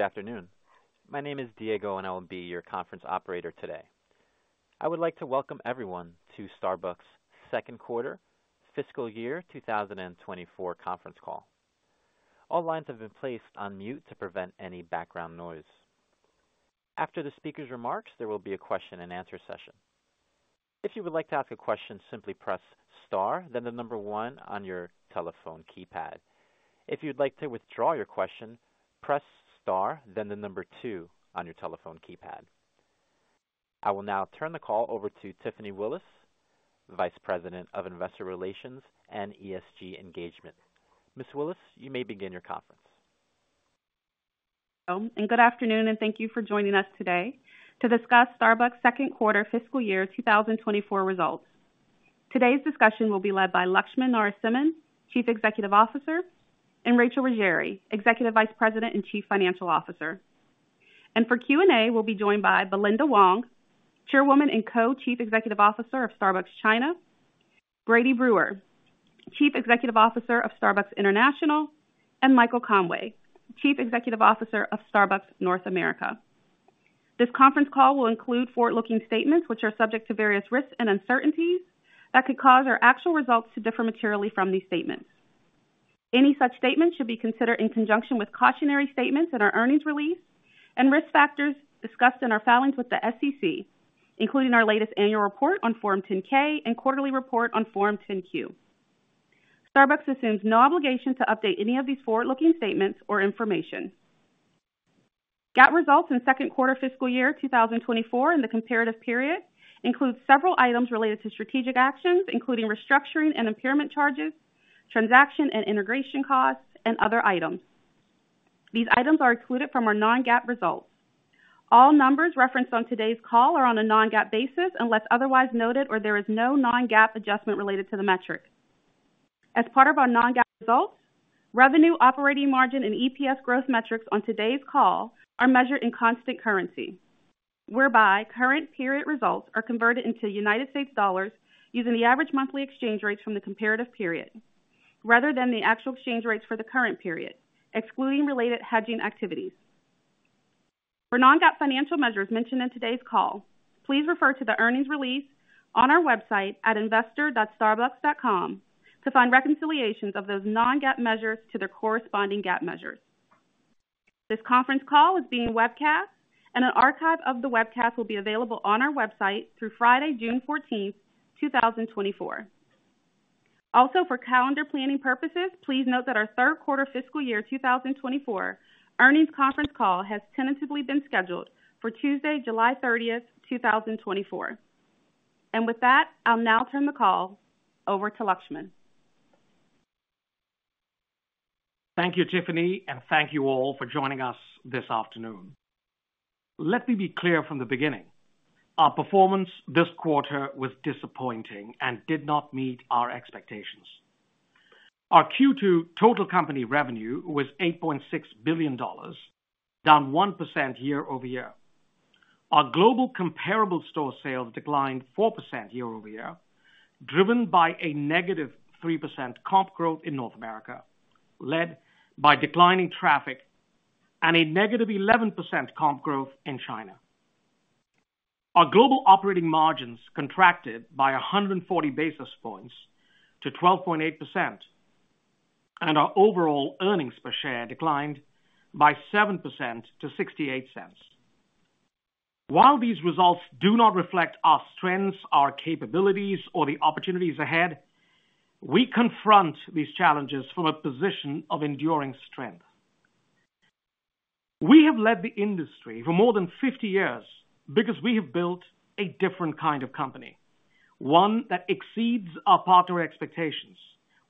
Good afternoon. My name is Diego, and I will be your conference operator today. I would like to welcome everyone to Starbucks' Second Quarter, Fiscal Year 2024 Conference Call. All lines have been placed on mute to prevent any background noise. After the speaker's remarks, there will be a question-and-answer session. If you would like to ask a question, simply press star then one on your telephone keypad. If you'd like to withdraw your question, press star then one on your telephone keypad. I will now turn the call over to Tiffany Willis, Vice President of Investor Relations and ESG Engagement. Ms. Willis, you may begin your conference. Good afternoon, and thank you for joining us today to discuss Starbucks' Second Quarter, Fiscal Year 2024 Results. Today's discussion will be led by Laxman Narasimhan, Chief Executive Officer, and Rachel Ruggeri, Executive Vice President and Chief Financial Officer. For Q&A, we'll be joined by Belinda Wong, Chairwoman and Co-Chief Executive Officer of Starbucks China, Brady Brewer, Chief Executive Officer of Starbucks International, and Michael Conway, Chief Executive Officer of Starbucks North America. This conference call will include forward-looking statements which are subject to various risks and uncertainties that could cause our actual results to differ materially from these statements. Any such statements should be considered in conjunction with cautionary statements in our earnings release and risk factors discussed in our filings with the SEC, including our latest annual report on Form 10-K and quarterly report on Form 10-Q. Starbucks assumes no obligation to update any of these forward-looking statements or information. GAAP results in second quarter, fiscal year 2024, in the comparative period include several items related to strategic actions, including restructuring and impairment charges, transaction and integration costs, and other items. These items are excluded from our non-GAAP results. All numbers referenced on today's call are on a non-GAAP basis unless otherwise noted or there is no non-GAAP adjustment related to the metric. As part of our non-GAAP results, revenue, operating margin, and EPS growth metrics on today's call are measured in constant currency, whereby current period results are converted into United States dollars using the average monthly exchange rates from the comparative period, rather than the actual exchange rates for the current period, excluding related hedging activities. For Non-GAAP financial measures mentioned in today's call, please refer to the earnings release on our website at investor.starbucks.com to find reconciliations of those Non-GAAP measures to their corresponding GAAP measures. This conference call is being webcast, and an archive of the webcast will be available on our website through Friday, June 14, 2024. Also, for calendar planning purposes, please note that our third quarter, fiscal year 2024 earnings conference call has tentatively been scheduled for Tuesday, July 30, 2024. With that, I'll now turn the call over to Laxman. Thank you, Tiffany, and thank you all for joining us this afternoon. Let me be clear from the beginning: Our performance this quarter was disappointing and did not meet our expectations. Our Q2 total company revenue was $8.6 billion, down 1% year-over-year. Our global comparable store sales declined 4% year-over-year, driven by a negative 3% comp growth in North America, led by declining traffic, and a negative 11% comp growth in China. Our global operating margins contracted by 140 basis points to 12.8%, and our overall earnings per share declined by 7% to $0.68. While these results do not reflect our strengths, our capabilities, or the opportunities ahead, we confront these challenges from a position of enduring strength. We have led the industry for more than 50 years because we have built a different kind of company: one that exceeds our partner expectations,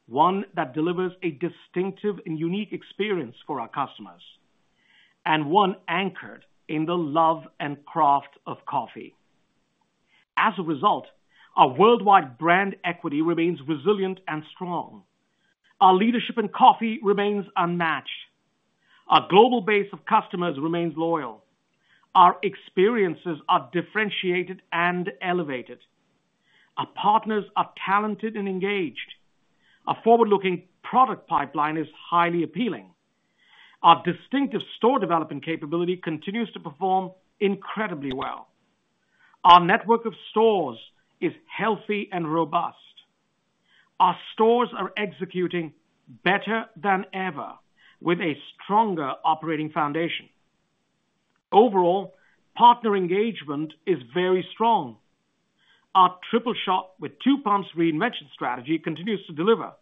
one that delivers a distinctive and unique experience for our customers, and one anchored in the love and craft of coffee. As a result, our worldwide brand equity remains resilient and strong. Our leadership in coffee remains unmatched. Our global base of customers remains loyal. Our experiences are differentiated and elevated. Our partners are talented and engaged. Our forward-looking product pipeline is highly appealing. Our distinctive store development capability continues to perform incredibly well. Our network of stores is healthy and robust. Our stores are executing better than ever, with a stronger operating foundation. Overall, partner engagement is very strong. Our Triple Shot Reinvention with Two Pumps reinvention strategy continues to deliver,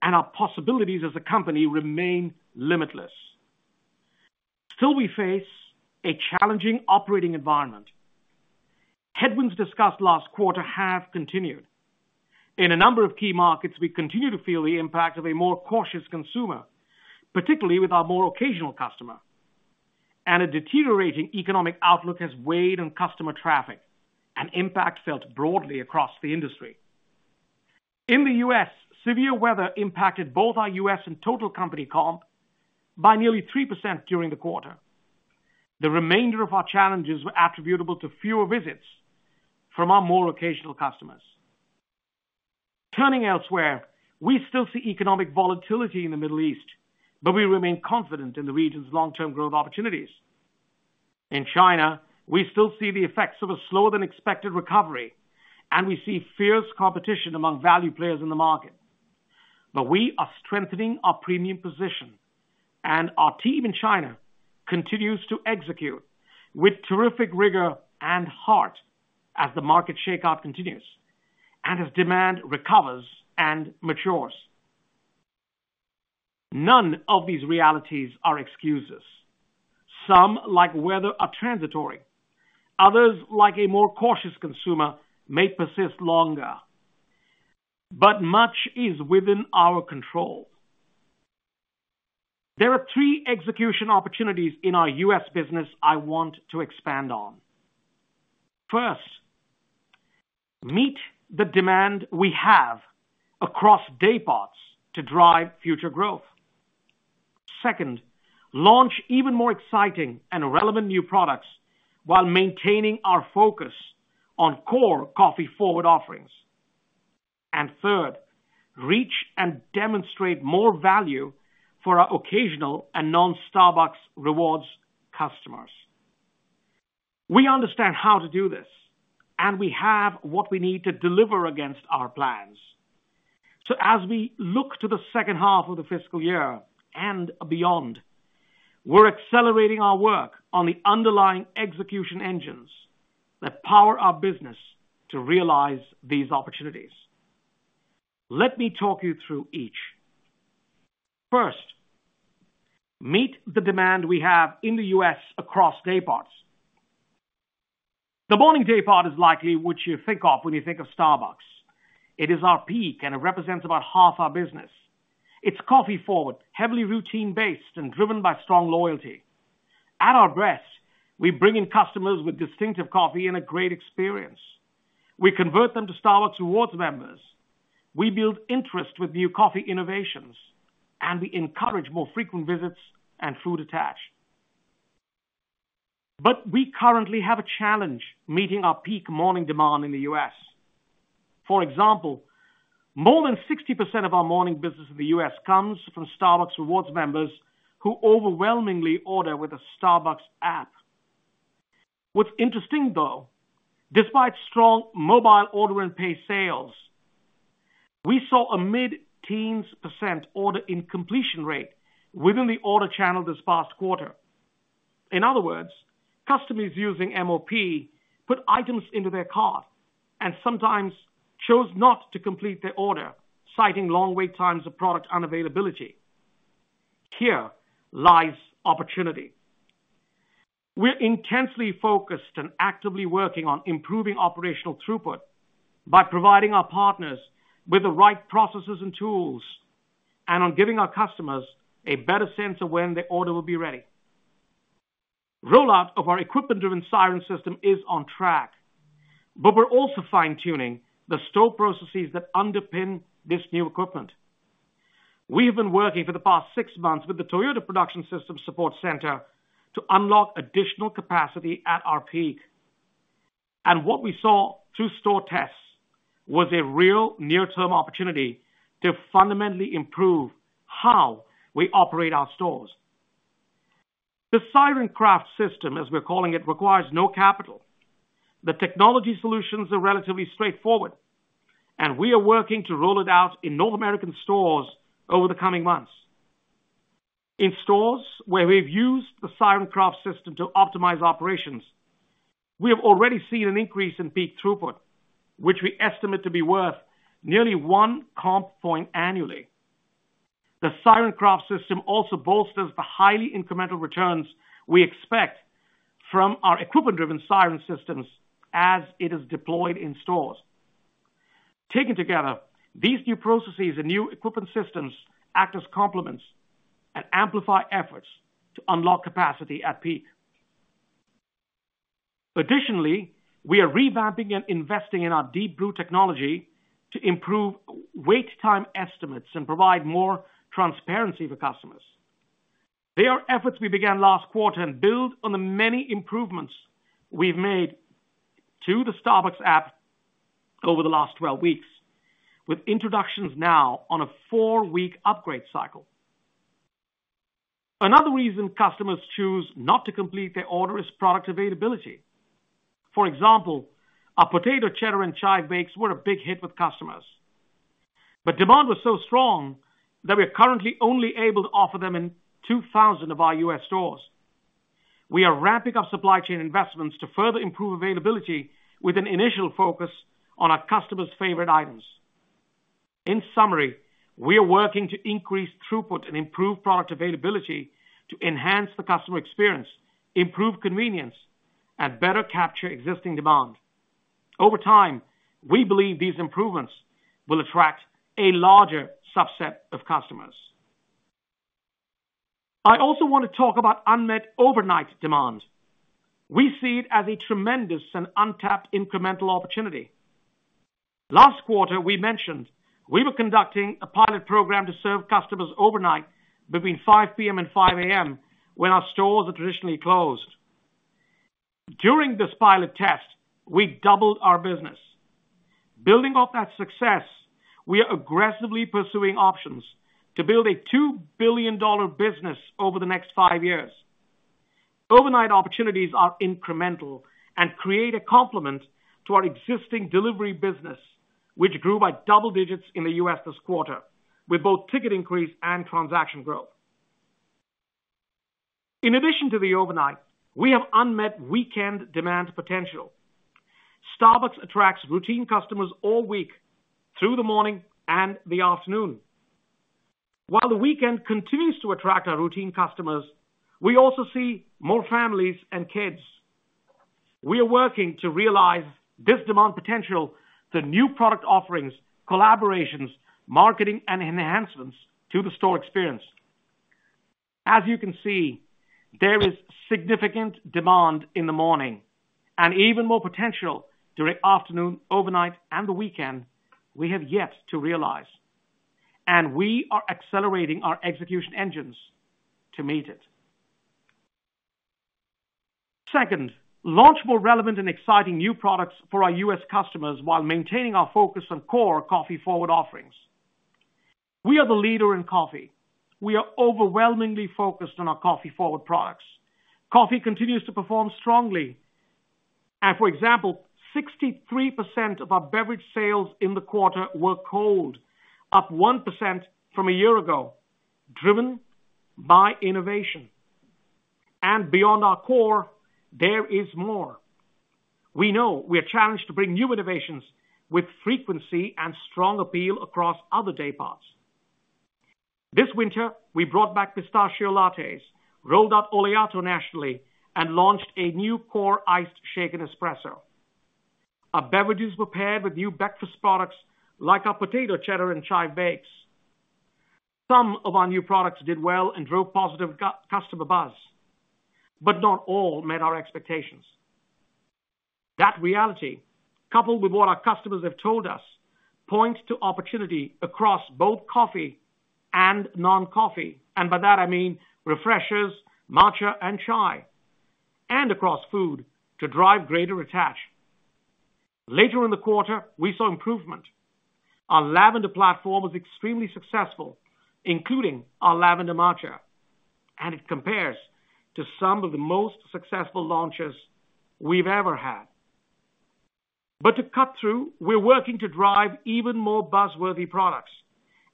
and our possibilities as a company remain limitless. Still, we face a challenging operating environment. Headwinds discussed last quarter have continued. In a number of key markets, we continue to feel the impact of a more cautious consumer, particularly with our more occasional customer. A deteriorating economic outlook has weighed on customer traffic, an impact felt broadly across the industry. In the U.S., severe weather impacted both our U.S. and total company comp by nearly 3% during the quarter. The remainder of our challenges were attributable to fewer visits from our more occasional customers. Turning elsewhere, we still see economic volatility in the Middle East, but we remain confident in the region's long-term growth opportunities. In China, we still see the effects of a slower-than-expected recovery, and we see fierce competition among value players in the market. But we are strengthening our premium position, and our team in China continues to execute with terrific rigor and heart as the market shakeout continues and as demand recovers and matures. None of these realities are excuses. Some, like weather, are transitory. Others, like a more cautious consumer, may persist longer. But much is within our control. There are three execution opportunities in our U.S. business I want to expand on. First, meet the demand we have across dayparts to drive future growth. Second, launch even more exciting and relevant new products while maintaining our focus on core coffee-forward offerings. And third, reach and demonstrate more value for our occasional and non-Starbucks Rewards customers. We understand how to do this, and we have what we need to deliver against our plans. So, as we look to the second half of the fiscal year and beyond, we're accelerating our work on the underlying execution engines that power our business to realize these opportunities. Let me talk you through each. First, meet the demand we have in the U.S. across dayparts. The morning daypart is likely what you think of when you think of Starbucks. It is our peak, and it represents about half our business. It's coffee-forward, heavily routine-based, and driven by strong loyalty. At our best, we bring in customers with distinctive coffee and a great experience. We convert them to Starbucks Rewards members. We build interest with new coffee innovations. And we encourage more frequent visits and food attach. But we currently have a challenge meeting our peak morning demand in the U.S. For example, more than 60% of our morning business in the U.S. comes from Starbucks Rewards members who overwhelmingly order with the Starbucks app. What's interesting, though, despite strong Mobile Order & Pay sales, we saw a mid-teens% order incompletion rate within the order channel this past quarter. In other words, customers using MOP put items into their cart and sometimes chose not to complete their order, citing long wait times or product unavailability. Here lies opportunity. We're intensely focused and actively working on improving operational throughput by providing our partners with the right processes and tools and on giving our customers a better sense of when their order will be ready. Rollout of our equipment-driven Siren System is on track. But we're also fine-tuning the stow processes that underpin this new equipment. We have been working for the past six months with the Toyota Production System Support Center to unlock additional capacity at our peak. What we saw through store tests was a real near-term opportunity to fundamentally improve how we operate our stores. The Siren Craft System, as we're calling it, requires no capital. The technology solutions are relatively straightforward. We are working to roll it out in North American stores over the coming months. In stores where we've used the Siren Craft System to optimize operations, we have already seen an increase in peak throughput, which we estimate to be worth nearly one comp point annually. The Siren Craft System also bolsters the highly incremental returns we expect from our equipment-driven Siren Systems as it is deployed in stores. Taken together, these new processes and new equipment systems act as complements and amplify efforts to unlock capacity at peak. Additionally, we are revamping and investing in our Deep Brew technology to improve wait time estimates and provide more transparency for customers. They are efforts we began last quarter and build on the many improvements we've made to the Starbucks app over the last 12 weeks, with introductions now on a four-week upgrade cycle. Another reason customers choose not to complete their order is product availability. For example, our Potato, Cheddar & Chive Bakes were a big hit with customers. But demand was so strong that we are currently only able to offer them in 2,000 of our U.S. stores. We are ramping up supply chain investments to further improve availability, with an initial focus on our customers' favorite items. In summary, we are working to increase throughput and improve product availability to enhance the customer experience, improve convenience, and better capture existing demand. Over time, we believe these improvements will attract a larger subset of customers. I also want to talk about unmet overnight demand. We see it as a tremendous and untapped incremental opportunity. Last quarter, we mentioned we were conducting a pilot program to serve customers overnight between 5:00 P.M. and 5:00 A.M. when our stores are traditionally closed. During this pilot test, we doubled our business. Building off that success, we are aggressively pursuing options to build a $2 billion business over the next five years. Overnight opportunities are incremental and create a complement to our existing delivery business, which grew by double digits in the U.S. this quarter, with both ticket increase and transaction growth. In addition to the overnight, we have unmet weekend demand potential. Starbucks attracts routine customers all week through the morning and the afternoon. While the weekend continues to attract our routine customers, we also see more families and kids. We are working to realize this demand potential through new product offerings, collaborations, marketing, and enhancements to the store experience. As you can see, there is significant demand in the morning and even more potential during afternoon, overnight, and the weekend we have yet to realize. We are accelerating our execution engines to meet it. Second, launch more relevant and exciting new products for our U.S. customers while maintaining our focus on core coffee-forward offerings. We are the leader in coffee. We are overwhelmingly focused on our coffee-forward products. Coffee continues to perform strongly. For example, 63% of our beverage sales in the quarter were cold, up 1% from a year ago, driven by innovation. Beyond our core, there is more. We know we are challenged to bring new innovations with frequency and strong appeal across other dayparts. This winter, we brought back Pistachio Lattes, rolled out Oleato nationally, and launched a new core Iced Shaken Espresso. Our beverages were paired with new breakfast products like our Potato, Cheddar & Chive Bakes. Some of our new products did well and drove positive customer buzz. But not all met our expectations. That reality, coupled with what our customers have told us, points to opportunity across both coffee and non-coffee - and by that, I mean Refreshers, matcha, and chai - and across food to drive greater attach. Later in the quarter, we saw improvement. Our Lavender platform was extremely successful, including our Lavender Matcha. And it compares to some of the most successful launches we've ever had. But to cut through, we're working to drive even more buzzworthy products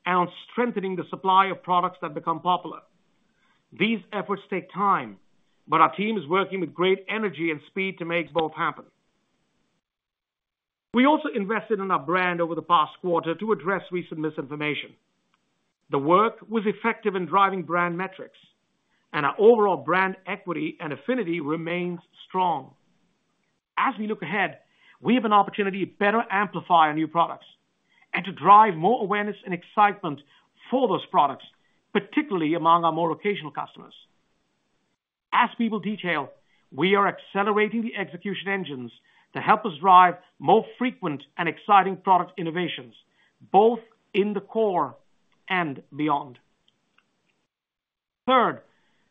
and on strengthening the supply of products that become popular. These efforts take time, but our team is working with great energy and speed to make both happen. We also invested in our brand over the past quarter to address recent misinformation. The work was effective in driving brand metrics. Our overall brand equity and affinity remains strong. As we look ahead, we have an opportunity to better amplify our new products and to drive more awareness and excitement for those products, particularly among our more occasional customers. As people detail, we are accelerating the execution engines to help us drive more frequent and exciting product innovations, both in the core and beyond. Third,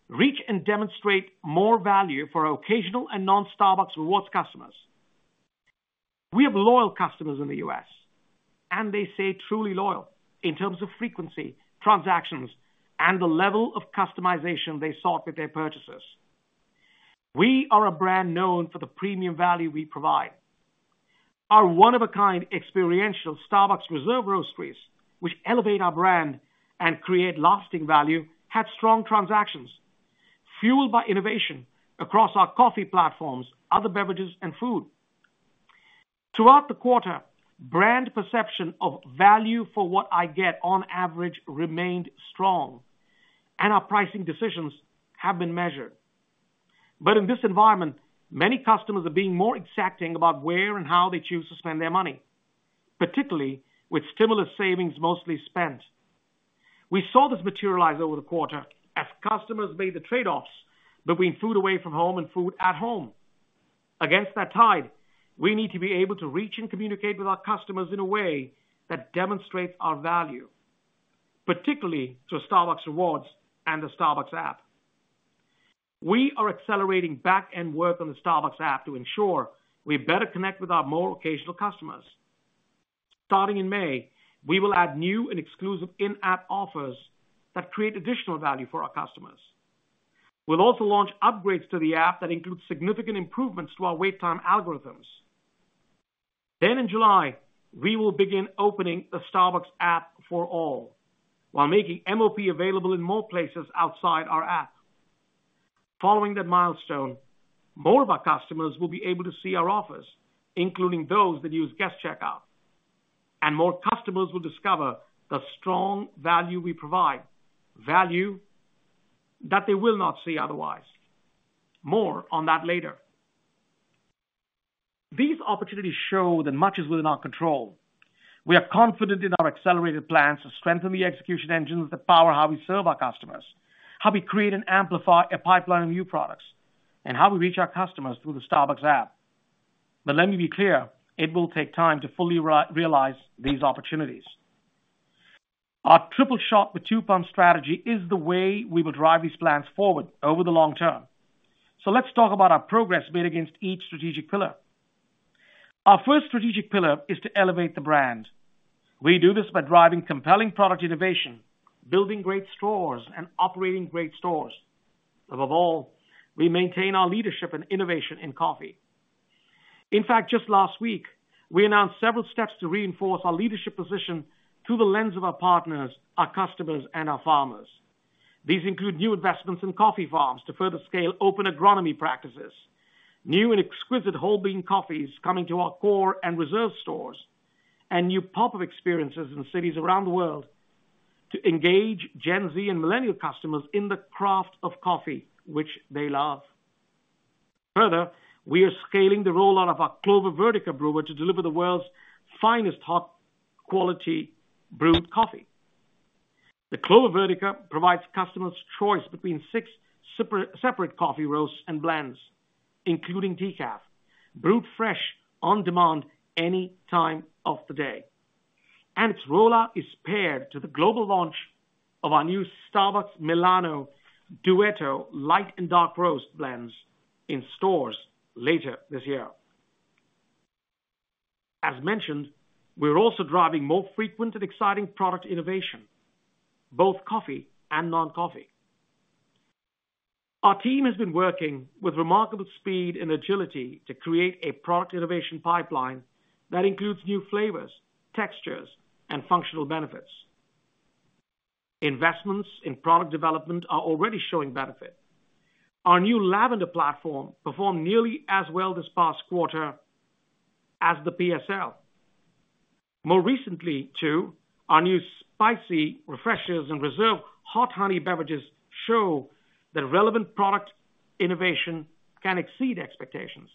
reach and demonstrate more value for our occasional and non-Starbucks Rewards customers. We have loyal customers in the U.S. They stay truly loyal in terms of frequency, transactions, and the level of customization they sought with their purchases. We are a brand known for the premium value we provide. Our one-of-a-kind experiential Starbucks Reserve Roasteries, which elevate our brand and create lasting value, had strong transactions, fueled by innovation across our coffee platforms, other beverages, and food. Throughout the quarter, brand perception of value for what I get on average remained strong. Our pricing decisions have been measured. In this environment, many customers are being more exacting about where and how they choose to spend their money, particularly with stimulus savings mostly spent. We saw this materialize over the quarter as customers made the trade-offs between food away from home and food at home. Against that tide, we need to be able to reach and communicate with our customers in a way that demonstrates our value, particularly through Starbucks Rewards and the Starbucks app. We are accelerating back-end work on the Starbucks app to ensure we better connect with our more occasional customers. Starting in May, we will add new and exclusive in-app offers that create additional value for our customers. We'll also launch upgrades to the app that include significant improvements to our wait time algorithms. Then, in July, we will begin opening the Starbucks app for all while making MOP available in more places outside our app. Following that milestone, more of our customers will be able to see our offers, including those that use Guest Checkout. More customers will discover the strong value we provide - value that they will not see otherwise. More on that later. These opportunities show that much is within our control. We are confident in our accelerated plans to strengthen the execution engines that power how we serve our customers, how we create and amplify a pipeline of new products, and how we reach our customers through the Starbucks app. But let me be clear, it will take time to fully realize these opportunities. Our Triple Shot with Two Pumps strategy is the way we will drive these plans forward over the long term. So let's talk about our progress made against each strategic pillar. Our first strategic pillar is to elevate the brand. We do this by driving compelling product innovation, building great stores, and operating great stores. Above all, we maintain our leadership and innovation in coffee. In fact, just last week, we announced several steps to reinforce our leadership position through the lens of our partners, our customers, and our farmers. These include new investments in coffee farms to further scale open agronomy practices, new and exquisite whole bean coffees coming to our core and reserve stores, and new pop-up experiences in cities around the world to engage Gen Z and millennial customers in the craft of coffee, which they love. Further, we are scaling the rollout of our Clover Vertica Brewer to deliver the world's finest hot quality brewed coffee. The Clover Vertica provides customers choice between six separate coffee roasts and blends, including decaf, brewed fresh on demand any time of the day. Its rollout is paired to the global launch of our new Starbucks Milano Duetto Light and Dark Roast blends in stores later this year. As mentioned, we're also driving more frequent and exciting product innovation, both coffee and non-coffee. Our team has been working with remarkable speed and agility to create a product innovation pipeline that includes new flavors, textures, and functional benefits. Investments in product development are already showing benefit. Our new lavender platform performed nearly as well this past quarter as the PSL. More recently, too, our new Spicy Refreshers and Reserve Hot Honey beverages show that relevant product innovation can exceed expectations.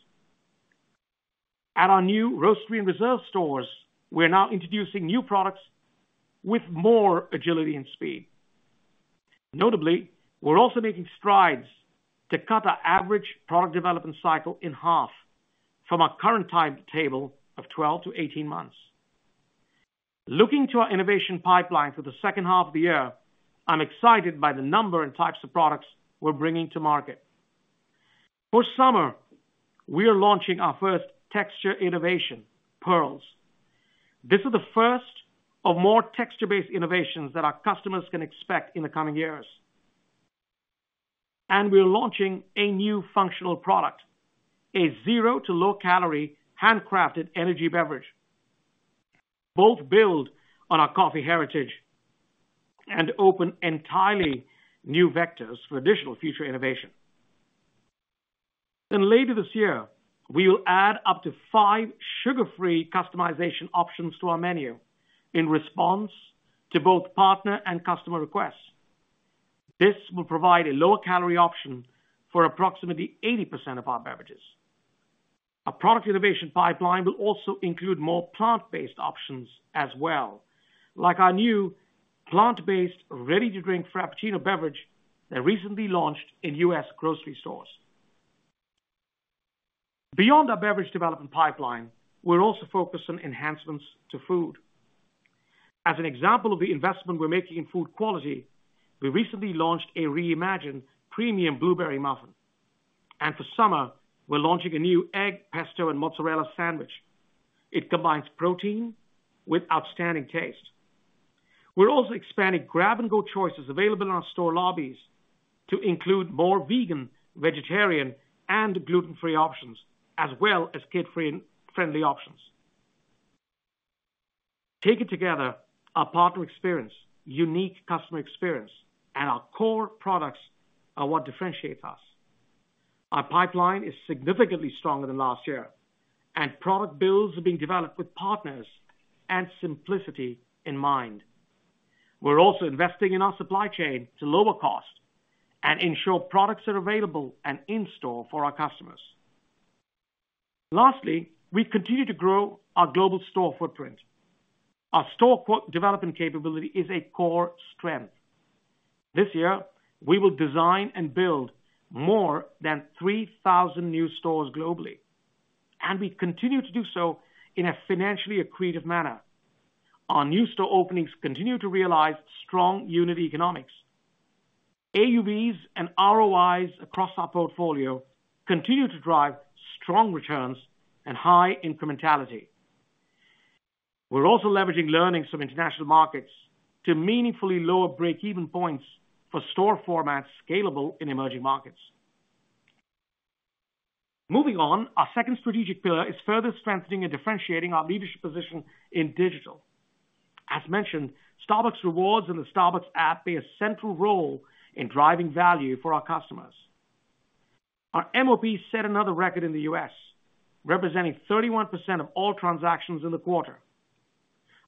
At our new Roastery and Reserve stores, we are now introducing new products with more agility and speed. Notably, we're also making strides to cut our average product development cycle in half from our current timetable of 12-18 months. Looking to our innovation pipeline through the second half of the year, I'm excited by the number and types of products we're bringing to market. For summer, we are launching our first texture innovation, Pearls. This is the first of more texture-based innovations that our customers can expect in the coming years. We are launching a new functional product, a zero to low-calorie handcrafted energy beverage. Both build on our coffee heritage and open entirely new vectors for additional future innovation. Then, later this year, we will add up to five sugar-free customization options to our menu in response to both partner and customer requests. This will provide a lower-calorie option for approximately 80% of our beverages. Our product innovation pipeline will also include more plant-based options as well, like our new plant-based ready-to-drink Frappuccino beverage that recently launched in U.S. grocery stores. Beyond our beverage development pipeline, we're also focused on enhancements to food. As an example of the investment we're making in food quality, we recently launched a reimagined premium blueberry muffin. For summer, we're launching a new Egg, Pesto & Mozzarella Sandwich. It combines protein with outstanding taste. We're also expanding grab-and-go choices available in our store lobbies to include more vegan, vegetarian, and gluten-free options, as well as kid-friendly options. Take it together: our partner experience, unique customer experience, and our core products are what differentiates us. Our pipeline is significantly stronger than last year. Product builds are being developed with partners and simplicity in mind. We're also investing in our supply chain to lower cost and ensure products are available and in-store for our customers. Lastly, we continue to grow our global store footprint. Our store development capability is a core strength. This year, we will design and build more than 3,000 new stores globally. We continue to do so in a financially accretive manner. Our new store openings continue to realize strong unit economics. AUVs and ROIs across our portfolio continue to drive strong returns and high incrementality. We're also leveraging learnings from international markets to meaningfully lower break-even points for store formats scalable in emerging markets. Moving on, our second strategic pillar is further strengthening and differentiating our leadership position in digital. As mentioned, Starbucks Rewards and the Starbucks app play a central role in driving value for our customers. Our MOP set another record in the U.S., representing 31% of all transactions in the quarter.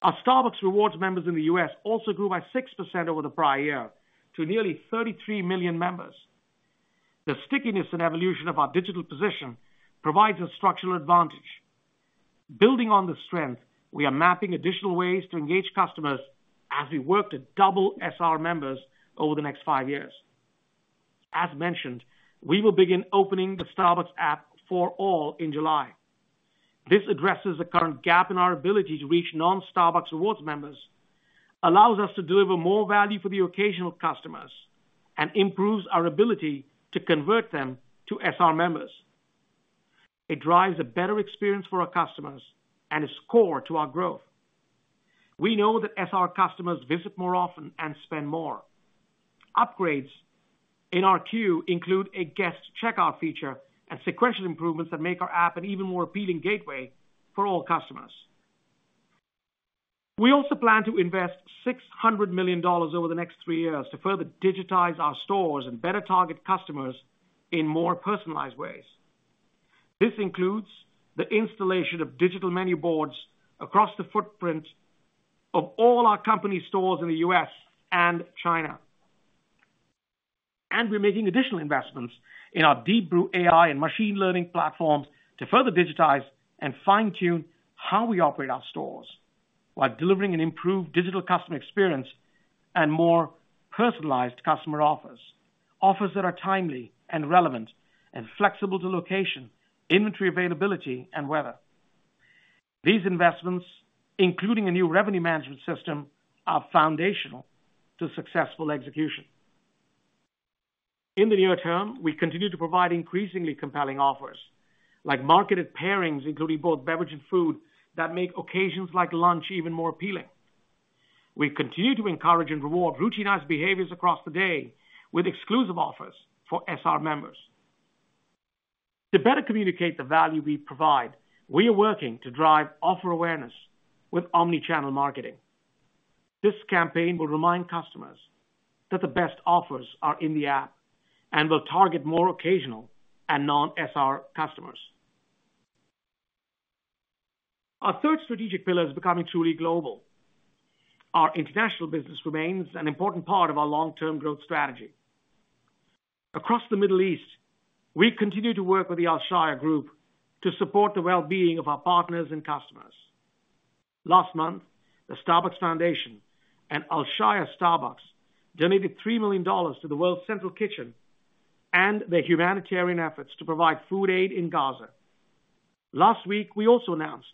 Our Starbucks Rewards members in the U.S. also grew by 6% over the prior year to nearly 33 million members. The stickiness and evolution of our digital position provides a structural advantage. Building on this strength, we are mapping additional ways to engage customers as we work to double SR members over the next five years. As mentioned, we will begin opening the Starbucks app for all in July. This addresses the current gap in our ability to reach non-Starbucks Rewards members, allows us to deliver more value for the occasional customers, and improves our ability to convert them to SR members. It drives a better experience for our customers and is core to our growth. We know that SR customers visit more often and spend more. Upgrades in our queue include a Guest Checkout feature and sequential improvements that make our app an even more appealing gateway for all customers. We also plan to invest $600 million over the next three years to further digitize our stores and better target customers in more personalized ways. This includes the installation of digital menu boards across the footprint of all our company stores in the U.S. and China. We're making additional investments in our Deep Brew AI and machine learning platforms to further digitize and fine-tune how we operate our stores while delivering an improved digital customer experience and more personalized customer offers—offers that are timely and relevant and flexible to location, inventory availability, and weather. These investments, including a new revenue management system, are foundational to successful execution. In the near term, we continue to provide increasingly compelling offers like marketed pairings, including both beverage and food, that make occasions like lunch even more appealing. We continue to encourage and reward routinized behaviors across the day with exclusive offers for SR members. To better communicate the value we provide, we are working to drive offer awareness with omnichannel marketing. This campaign will remind customers that the best offers are in the app and will target more occasional and non-SR customers. Our third strategic pillar is becoming truly global. Our International business remains an important part of our long-term growth strategy. Across the Middle East, we continue to work with the Alshaya Group to support the well-being of our partners and customers. Last month, the Starbucks Foundation and Alshaya Starbucks donated $3 million to the World Central Kitchen and their humanitarian efforts to provide food aid in Gaza. Last week, we also announced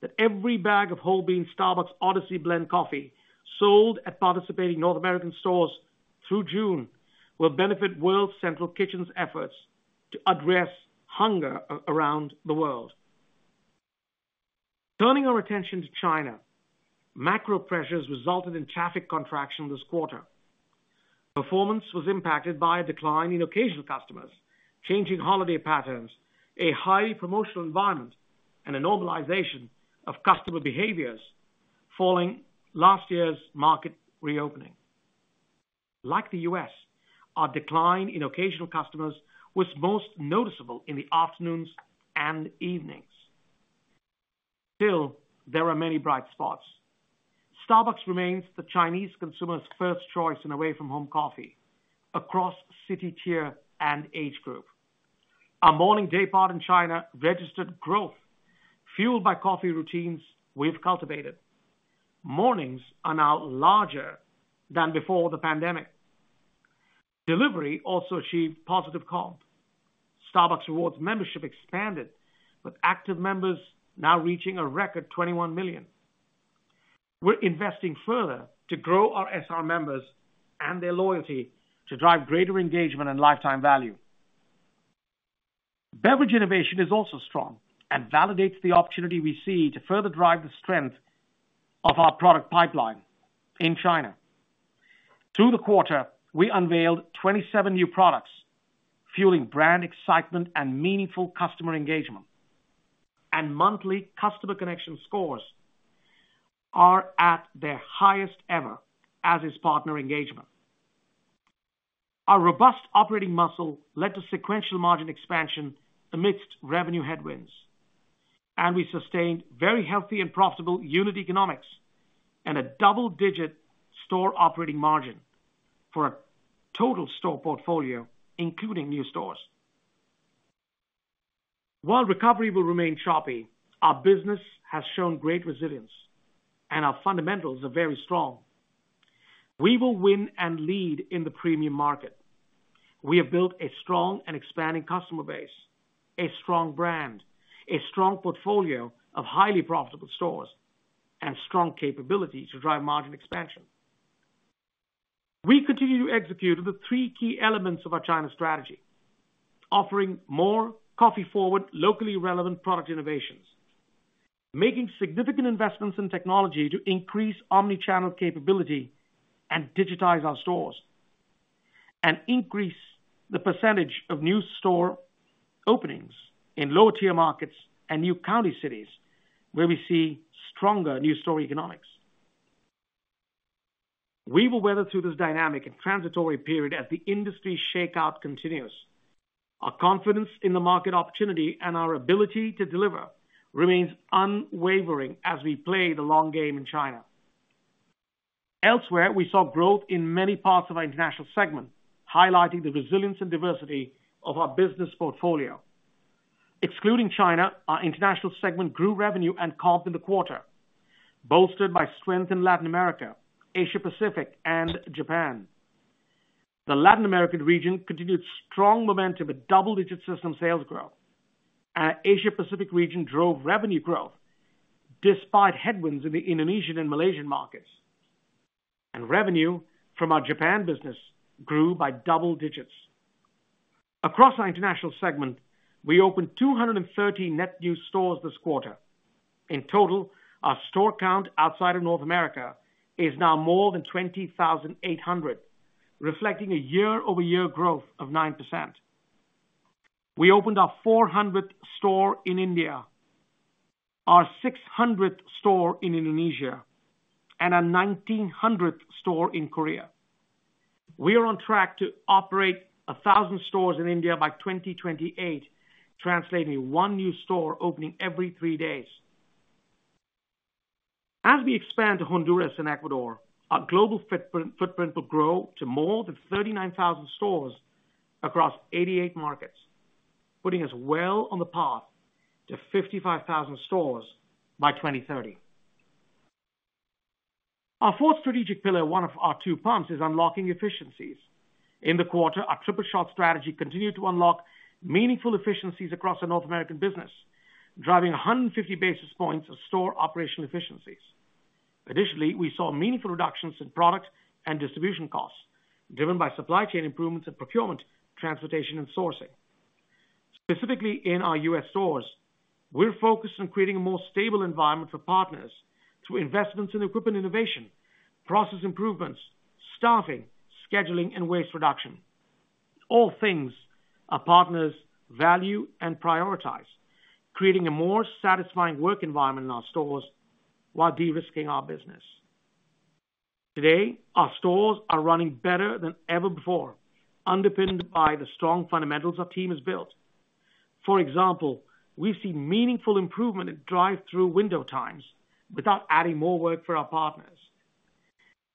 that every bag of whole bean Starbucks Odyssey Blend coffee sold at participating North American stores through June will benefit World Central Kitchen's efforts to address hunger around the world. Turning our attention to China, macro pressures resulted in traffic contraction this quarter. Performance was impacted by a decline in occasional customers, changing holiday patterns, a highly promotional environment, and a normalization of customer behaviors following last year's market reopening. Like the U.S., our decline in occasional customers was most noticeable in the afternoons and evenings. Still, there are many bright spots. Starbucks remains the Chinese consumer's first choice in away-from-home coffee across city tier and age group. Our morning daypart in China registered growth fueled by coffee routines we've cultivated. Mornings are now larger than before the pandemic. Delivery also achieved positive comp. Starbucks Rewards membership expanded with active members now reaching a record 21 million. We're investing further to grow our SR members and their loyalty to drive greater engagement and lifetime value. Beverage innovation is also strong and validates the opportunity we see to further drive the strength of our product pipeline in China. Through the quarter, we unveiled 27 new products fueling brand excitement and meaningful customer engagement. Monthly customer connection scores are at their highest ever as is partner engagement. Our robust operating muscle led to sequential margin expansion amidst revenue headwinds. We sustained very healthy and profitable unit economics and a double-digit store operating margin for a total store portfolio, including new stores. While recovery will remain choppy, our business has shown great resilience and our fundamentals are very strong. We will win and lead in the premium market. We have built a strong and expanding customer base, a strong brand, a strong portfolio of highly profitable stores, and strong capability to drive margin expansion. We continue to execute the three key elements of our China strategy: offering more coffee-forward, locally relevant product innovations. Making significant investments in technology to increase omnichannel capability and digitize our stores. And increase the percentage of new store openings in lower-tier markets and new county cities where we see stronger new store economics. We will weather through this dynamic and transitory period as the industry shakeout continues. Our confidence in the market opportunity and our ability to deliver remains unwavering as we play the long game in China. Elsewhere, we saw growth in many parts of our International segment, highlighting the resilience and diversity of our business portfolio. Excluding China, our International segment grew revenue and comp in the quarter, bolstered by strength in Latin America, Asia-Pacific, and Japan. The Latin American region continued strong momentum with double-digit system sales growth. Our Asia-Pacific region drove revenue growth despite headwinds in the Indonesian and Malaysian markets. Revenue from our Japan business grew by double digits. Across our International segment, we opened 230 net new stores this quarter. In total, our store count outside of North America is now more than 20,800, reflecting a year-over-year growth of 9%. We opened our 400th store in India, our 600th store in Indonesia, and our 1,900th store in Korea. We are on track to operate 1,000 stores in India by 2028, translating one new store opening every three days. As we expand to Honduras and Ecuador, our global footprint will grow to more than 39,000 stores across 88 markets, putting us well on the path to 55,000 stores by 2030. Our fourth strategic pillar, one of our two pumps, is unlocking efficiencies. In the quarter, our Triple Shot strategy continued to unlock meaningful efficiencies across our North American business, driving 150 basis points of store operational efficiencies. Additionally, we saw meaningful reductions in product and distribution costs driven by supply chain improvements in procurement, transportation, and sourcing. Specifically in our U.S. Stores, we're focused on creating a more stable environment for partners through investments in equipment innovation, process improvements, staffing, scheduling, and waste reduction, all things our partners value and prioritize, creating a more satisfying work environment in our stores while de-risking our business. Today, our stores are running better than ever before, underpinned by the strong fundamentals our team has built. For example, we've seen meaningful improvement in drive-through window times without adding more work for our partners.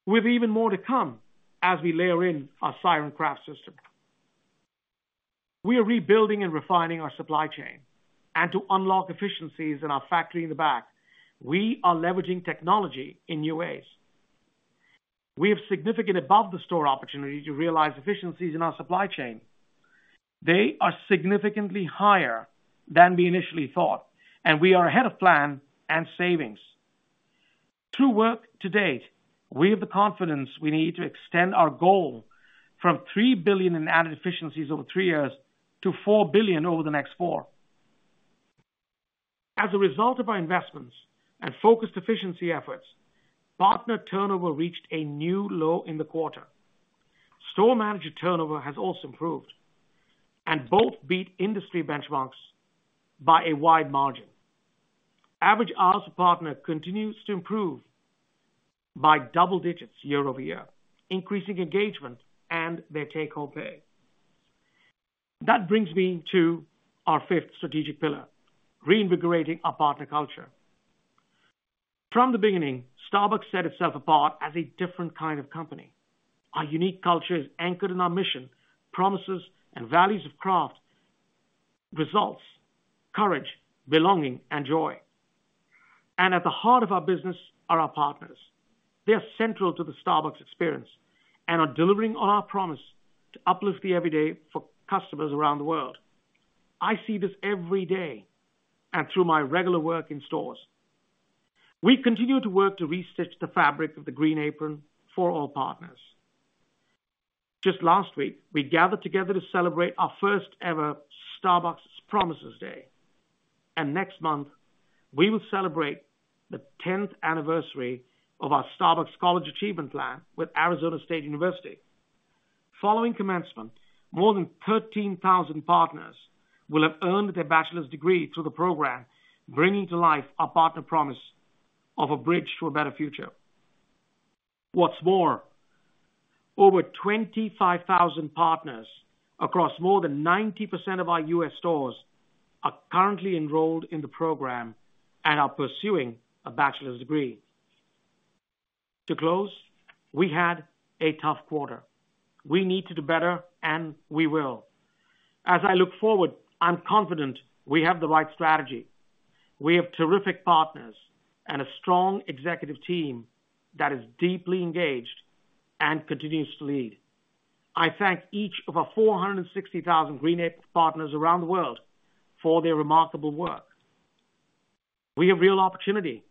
With even more to come as we layer in our Siren Craft System. We are rebuilding and refining our supply chain. To unlock efficiencies in our factory in the back, we are leveraging technology in new ways. We have significant above-the-store opportunity to realize efficiencies in our supply chain. They are significantly higher than we initially thought. We are ahead of plan and savings. Through work to date, we have the confidence we need to extend our goal from $3 billion in added efficiencies over three years to $4 billion over the next four. As a result of our investments and focused efficiency efforts, partner turnover reached a new low in the quarter. Store manager turnover has also improved. Both beat industry benchmarks by a wide margin. Average hours per partner continues to improve by double digits year-over-year, increasing engagement and their take-home pay. That brings me to our fifth strategic pillar: reinvigorating our partner culture. From the beginning, Starbucks set itself apart as a different kind of company. Our unique culture is anchored in our mission, promises, and values of craft - results, courage, belonging, and joy. At the heart of our business are our partners. They are central to the Starbucks experience and are delivering on our promise to uplift the everyday for customers around the world. I see this every day and through my regular work in stores. We continue to work to restitch the fabric of the Green Apron for all partners. Just last week, we gathered together to celebrate our first-ever Starbucks Promises Day. Next month, we will celebrate the 10th anniversary of our Starbucks College Achievement Plan with Arizona State University. Following commencement, more than 13,000 partners will have earned their bachelor's degree through the program, bringing to life our partner promise of a bridge to a better future. What's more, over 25,000 partners across more than 90% of our U.S. stores are currently enrolled in the program and are pursuing a bachelor's degree. To close, we had a tough quarter. We need to do better and we will. As I look forward, I'm confident we have the right strategy. We have terrific partners and a strong executive team that is deeply engaged and continues to lead. I thank each of our 460,000 Green Apron partners around the world for their remarkable work. We have real opportunity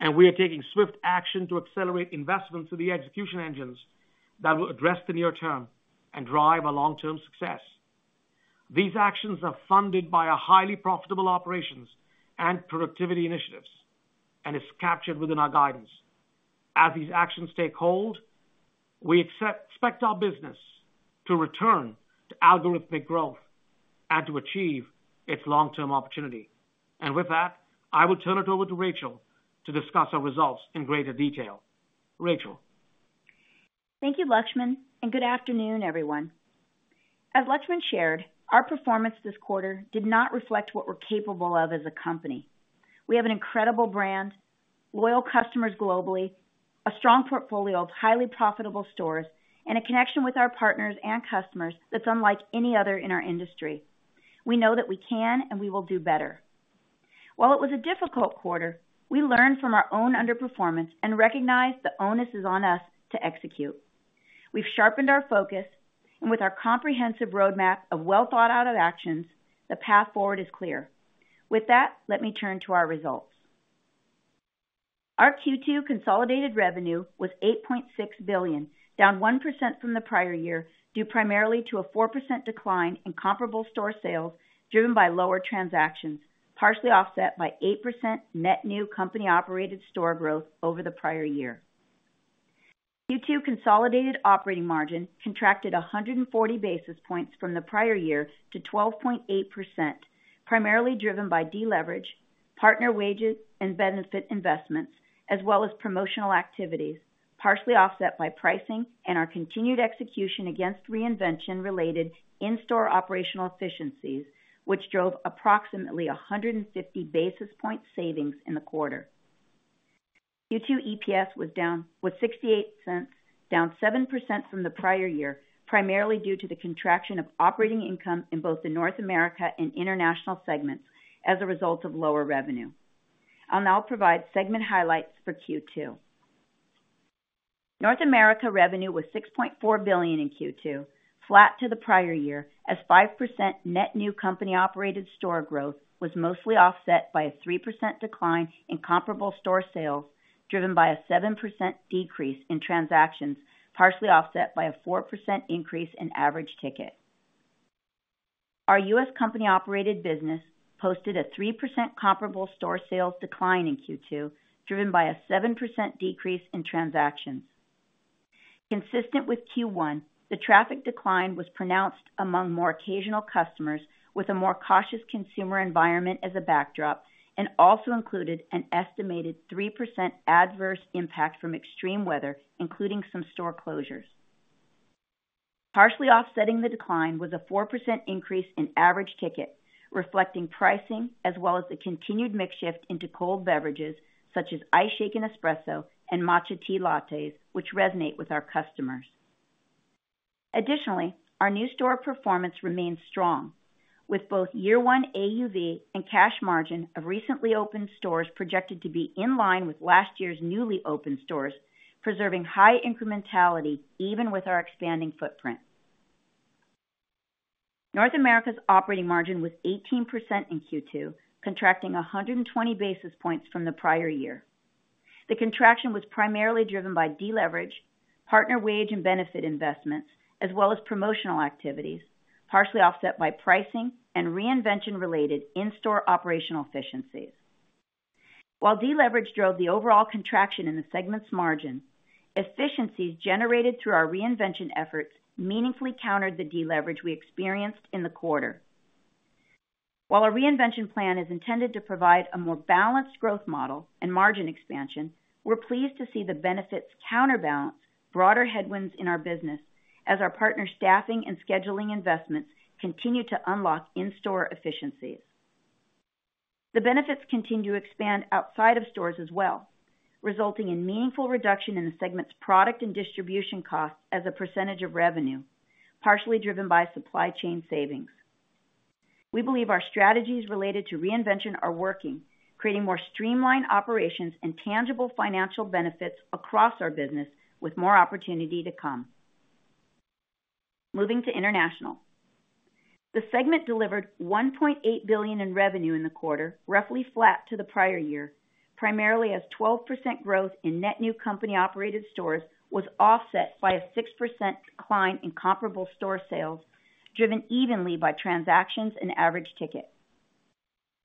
and we are taking swift action to accelerate investments in the execution engines that will address the near-term and drive our long-term success. These actions are funded by our highly profitable operations and productivity initiatives and are captured within our guidance. As these actions take hold, we expect our business to return to algorithmic growth and to achieve its long-term opportunity. And with that, I will turn it over to Rachel to discuss our results in greater detail. Rachel. Thank you, Laxman. And good afternoon, everyone. As Laxman shared, our performance this quarter did not reflect what we're capable of as a company. We have an incredible brand, loyal customers globally, a strong portfolio of highly profitable stores, and a connection with our partners and customers that's unlike any other in our industry. We know that we can and we will do better. While it was a difficult quarter, we learned from our own underperformance and recognized the onus is on us to execute. We've sharpened our focus and with our comprehensive roadmap of well-thought-out actions, the path forward is clear. With that, let me turn to our results. Our Q2 consolidated revenue was $8.6 billion, down 1% from the prior year due primarily to a 4% decline in comparable store sales driven by lower transactions, partially offset by 8% net new company-operated store growth over the prior year. Q2 consolidated operating margin contracted 140 basis points from the prior year to 12.8%, primarily driven by deleverage, partner wages, and benefit investments, as well as promotional activities, partially offset by pricing and our continued execution against reinvention-related in-store operational efficiencies, which drove approximately 150 basis points savings in the quarter. Q2 EPS was down with $0.68, down 7% from the prior year, primarily due to the contraction of operating income in both the North America and International segments as a result of lower revenue. I'll now provide segment highlights for Q2. North America revenue was $6.4 billion in Q2, flat to the prior year as 5% net new company-operated store growth was mostly offset by a 3% decline in comparable store sales driven by a 7% decrease in transactions, partially offset by a 4% increase in average ticket. Our U.S. Company-operated business posted a 3% comparable store sales decline in Q2 driven by a 7% decrease in transactions. Consistent with Q1, the traffic decline was pronounced among more occasional customers with a more cautious consumer environment as a backdrop and also included an estimated 3% adverse impact from extreme weather, including some store closures. Partially offsetting the decline was a 4% increase in average ticket, reflecting pricing as well as the continued shift into cold beverages such as Iced Shaken Espresso and Matcha Tea Lattes, which resonate with our customers. Additionally, our new store performance remains strong, with both year-one AUV and cash margin of recently opened stores projected to be in line with last year's newly opened stores, preserving high incrementality even with our expanding footprint. North America's operating margin was 18% in Q2, contracting 120 basis points from the prior year. The contraction was primarily driven by deleverage, partner wage and benefit investments, as well as promotional activities, partially offset by pricing and reinvention-related in-store operational efficiencies. While deleverage drove the overall contraction in the segment's margin, efficiencies generated through our reinvention efforts meaningfully countered the deleverage we experienced in the quarter. While our reinvention plan is intended to provide a more balanced growth model and margin expansion, we're pleased to see the benefits counterbalance broader headwinds in our business as our partner staffing and scheduling investments continue to unlock in-store efficiencies. The benefits continue to expand outside of stores as well, resulting in meaningful reduction in the segment's product and distribution costs as a percentage of revenue, partially driven by supply chain savings. We believe our strategies related to reinvention are working, creating more streamlined operations and tangible financial benefits across our business with more opportunity to come. Moving toInternational. The segment delivered $1.8 billion in revenue in the quarter, roughly flat to the prior year, primarily as 12% growth in net new company-operated stores was offset by a 6% decline in comparable store sales driven evenly by transactions and average ticket.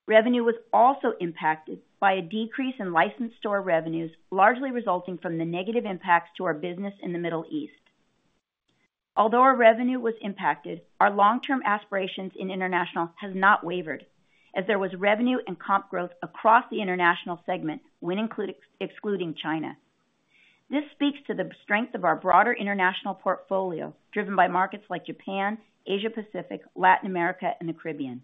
Revenue was also impacted by a decrease in licensed store revenues, largely resulting from the negative impacts to our business in the Middle East. Although our revenue was impacted, our long-term aspirations in International have not wavered, as there was revenue and comp growth across the International segment when excluding China. This speaks to the strength of our broader International portfolio driven by markets like Japan, Asia-Pacific, Latin America, and the Caribbean.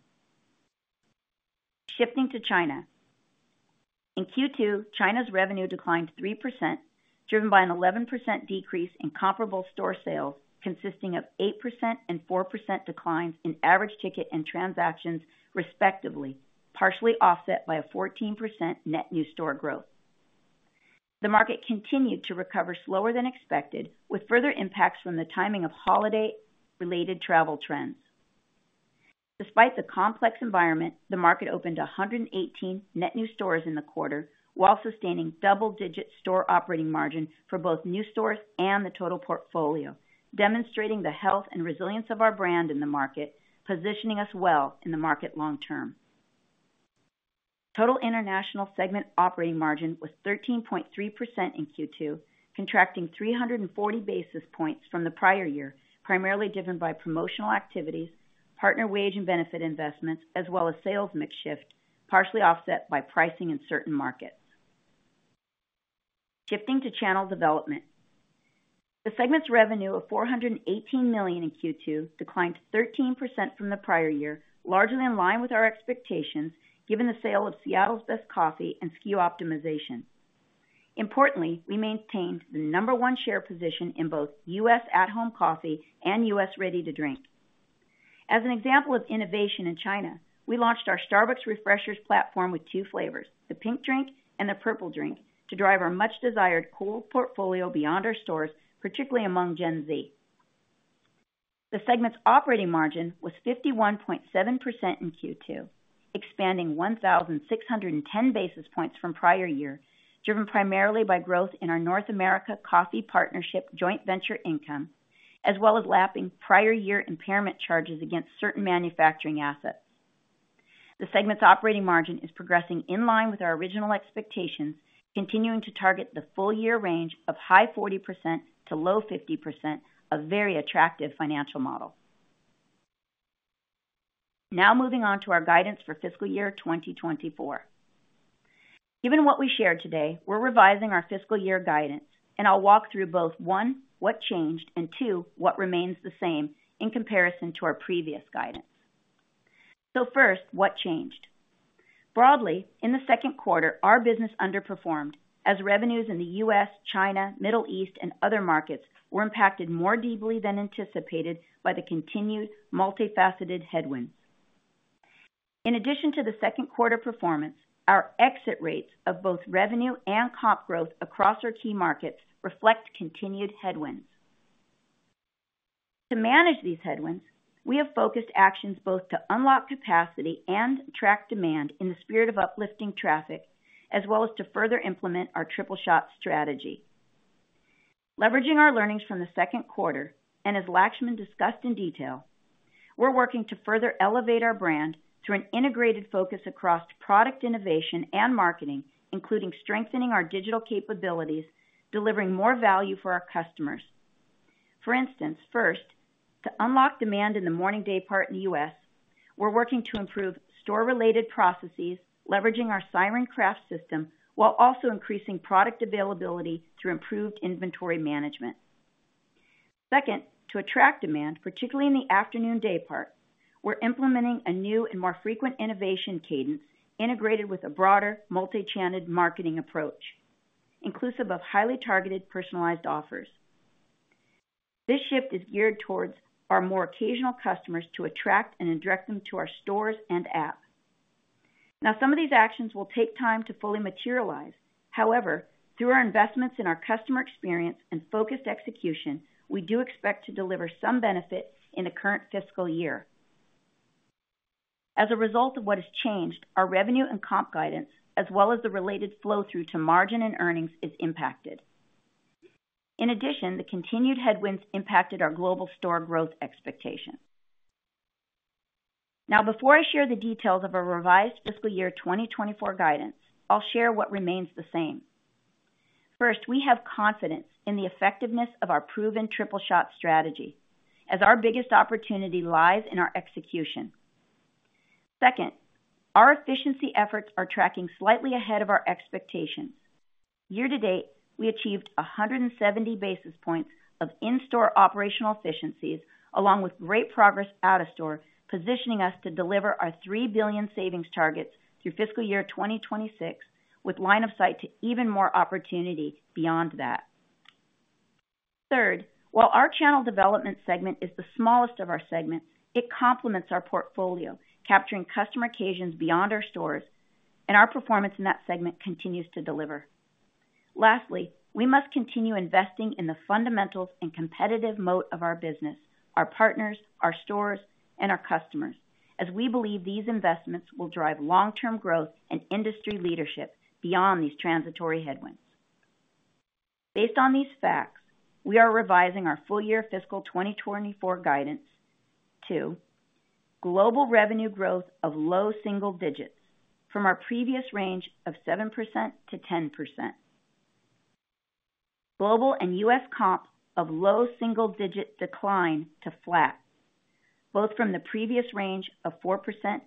Shifting to China. In Q2, China's revenue declined 3%, driven by an 11% decrease in comparable store sales consisting of 8% and 4% declines in average ticket and transactions, respectively, partially offset by a 14% net new store growth. The market continued to recover slower than expected, with further impacts from the timing of holiday-related travel trends. Despite the complex environment, the market opened 118 net new stores in the quarter while sustaining double-digit store operating margin for both new stores and the total portfolio, demonstrating the health and resilience of our brand in the market, positioning us well in the market long term. Total International segment operating margin was 13.3% in Q2, contracting 340 basis points from the prior year, primarily driven by promotional activities, partner wage and benefit investments, as well as sales mix shift, partially offset by pricing in certain markets. Shifting to Channel Development. The segment's revenue of $418 million in Q2 declined 13% from the prior year, largely in line with our expectations given the sale of Seattle's Best Coffee and SKU optimization. Importantly, we maintained the number one share position in both U.S. at-home coffee and U.S. ready-to-drink. As an example of innovation in China, we launched our Starbucks Refreshers platform with two flavors, the Pink Drink and the Purple Drink, to drive our much-desired cold portfolio beyond our stores, particularly among Gen Z. The segment's operating margin was 51.7% in Q2, expanding 1,610 basis points from prior year, driven primarily by growth in our North America Coffee Partnership joint venture income, as well as lapping prior-year impairment charges against certain manufacturing assets. The segment's operating margin is progressing in line with our original expectations, continuing to target the full-year range of high 40%-low 50% of a very attractive financial model. Now moving on to our guidance for fiscal year 2024. Given what we shared today, we're revising our fiscal year guidance and I'll walk through both, one, what changed, and two, what remains the same in comparison to our previous guidance. So first, what changed? Broadly, in the second quarter, our business underperformed as revenues in the U.S., China, Middle East, and other markets were impacted more deeply than anticipated by the continued multifaceted headwinds. In addition to the second quarter performance, our exit rates of both revenue and comp growth across our key markets reflect continued headwinds. To manage these headwinds, we have focused actions both to unlock capacity and attract demand in the spirit of uplifting traffic, as well as to further implement our Triple Shot strategy. Leveraging our learnings from the second quarter and, as Laxman discussed in detail, we're working to further elevate our brand through an integrated focus across product innovation and marketing, including strengthening our digital capabilities, delivering more value for our customers. For instance, first, to unlock demand in the morning-daypart in the U.S., we're working to improve store-related processes, leveraging our Siren Craft System while also increasing product availability through improved inventory management. Second, to attract demand, particularly in the afternoon daypart, we're implementing a new and more frequent innovation cadence integrated with a broader multi-channeled marketing approach, inclusive of highly targeted personalized offers. This shift is geared towards our more occasional customers to attract and direct them to our stores and app. Now, some of these actions will take time to fully materialize. However, through our investments in our customer experience and focused execution, we do expect to deliver some benefit in the current fiscal year. As a result of what has changed, our revenue and comp guidance, as well as the related flow-through to margin and earnings, is impacted. In addition, the continued headwinds impacted our global store growth expectations. Now, before I share the details of our revised fiscal year 2024 guidance, I'll share what remains the same. First, we have confidence in the effectiveness of our proven Triple Shot strategy, as our biggest opportunity lies in our execution. Second, our efficiency efforts are tracking slightly ahead of our expectations. Year to date, we achieved 170 basis points of in-store operational efficiencies, along with great progress out of store, positioning us to deliver our $3 billion savings targets through fiscal year 2026, with line of sight to even more opportunity beyond that. Third, while our Channel Development segment is the smallest of our segments, it complements our portfolio, capturing customer occasions beyond our stores, and our performance in that segment continues to deliver. Lastly, we must continue investing in the fundamentals and competitive moat of our business, our partners, our stores, and our customers, as we believe these investments will drive long-term growth and industry leadership beyond these transitory headwinds. Based on these facts, we are revising our full-year fiscal 2024 guidance to: Global revenue growth of low single digits from our previous range of 7%-10%. Global and U.S. comp of low single-digit decline to flat, both from the previous range of 4%-6%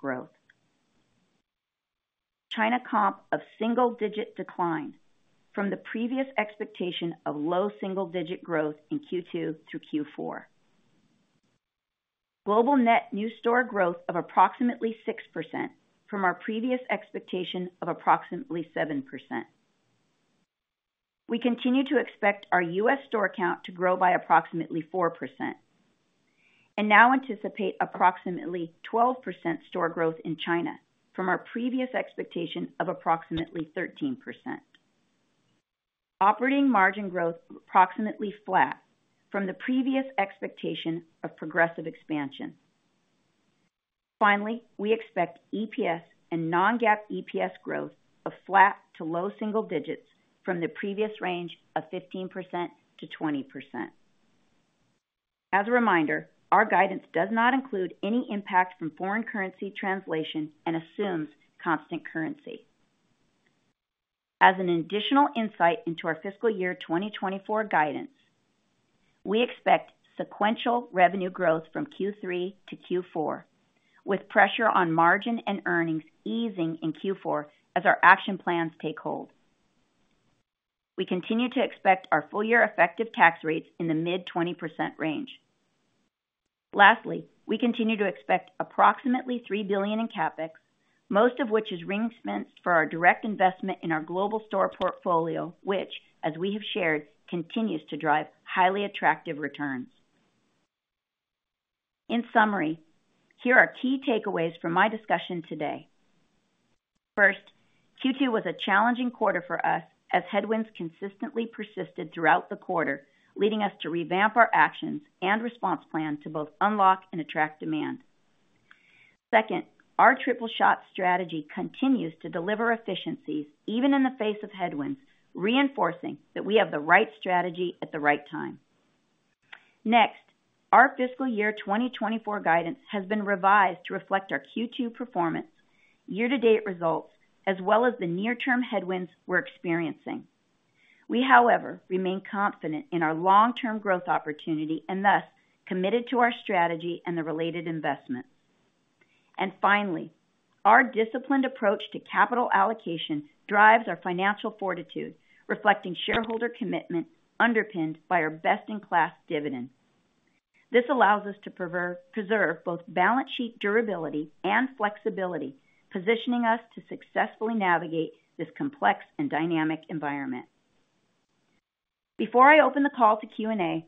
growth. China comp of single-digit decline from the previous expectation of low single-digit growth in Q2 through Q4. Global net new store growth of approximately 6% from our previous expectation of approximately 7%. We continue to expect our U.S. store count to grow by approximately 4% and now anticipate approximately 12% store growth in China from our previous expectation of approximately 13%. Operating margin growth approximately flat from the previous expectation of progressive expansion. Finally, we expect EPS and non-GAAP EPS growth of flat to low single digits from the previous range of 15%-20%. As a reminder, our guidance does not include any impact from foreign currency translation and assumes constant currency. As an additional insight into our fiscal year 2024 guidance, we expect sequential revenue growth from Q3 to Q4, with pressure on margin and earnings easing in Q4 as our action plans take hold. We continue to expect our full-year effective tax rates in the mid-20% range. Lastly, we continue to expect approximately $3 billion in CapEx, most of which is reinvestment for our direct investment in our global store portfolio, which, as we have shared, continues to drive highly attractive returns. In summary, here are key takeaways from my discussion today. First, Q2 was a challenging quarter for us as headwinds consistently persisted throughout the quarter, leading us to revamp our actions and response plan to both unlock and attract demand. Second, our Triple Shot strategy continues to deliver efficiencies even in the face of headwinds, reinforcing that we have the right strategy at the right time. Next, our fiscal year 2024 guidance has been revised to reflect our Q2 performance, year-to-date results, as well as the near-term headwinds we're experiencing. We, however, remain confident in our long-term growth opportunity and thus committed to our strategy and the related investments. Finally, our disciplined approach to capital allocation drives our financial fortitude, reflecting shareholder commitment underpinned by our best-in-class dividend. This allows us to preserve both balance sheet durability and flexibility, positioning us to successfully navigate this complex and dynamic environment. Before I open the call to Q&A,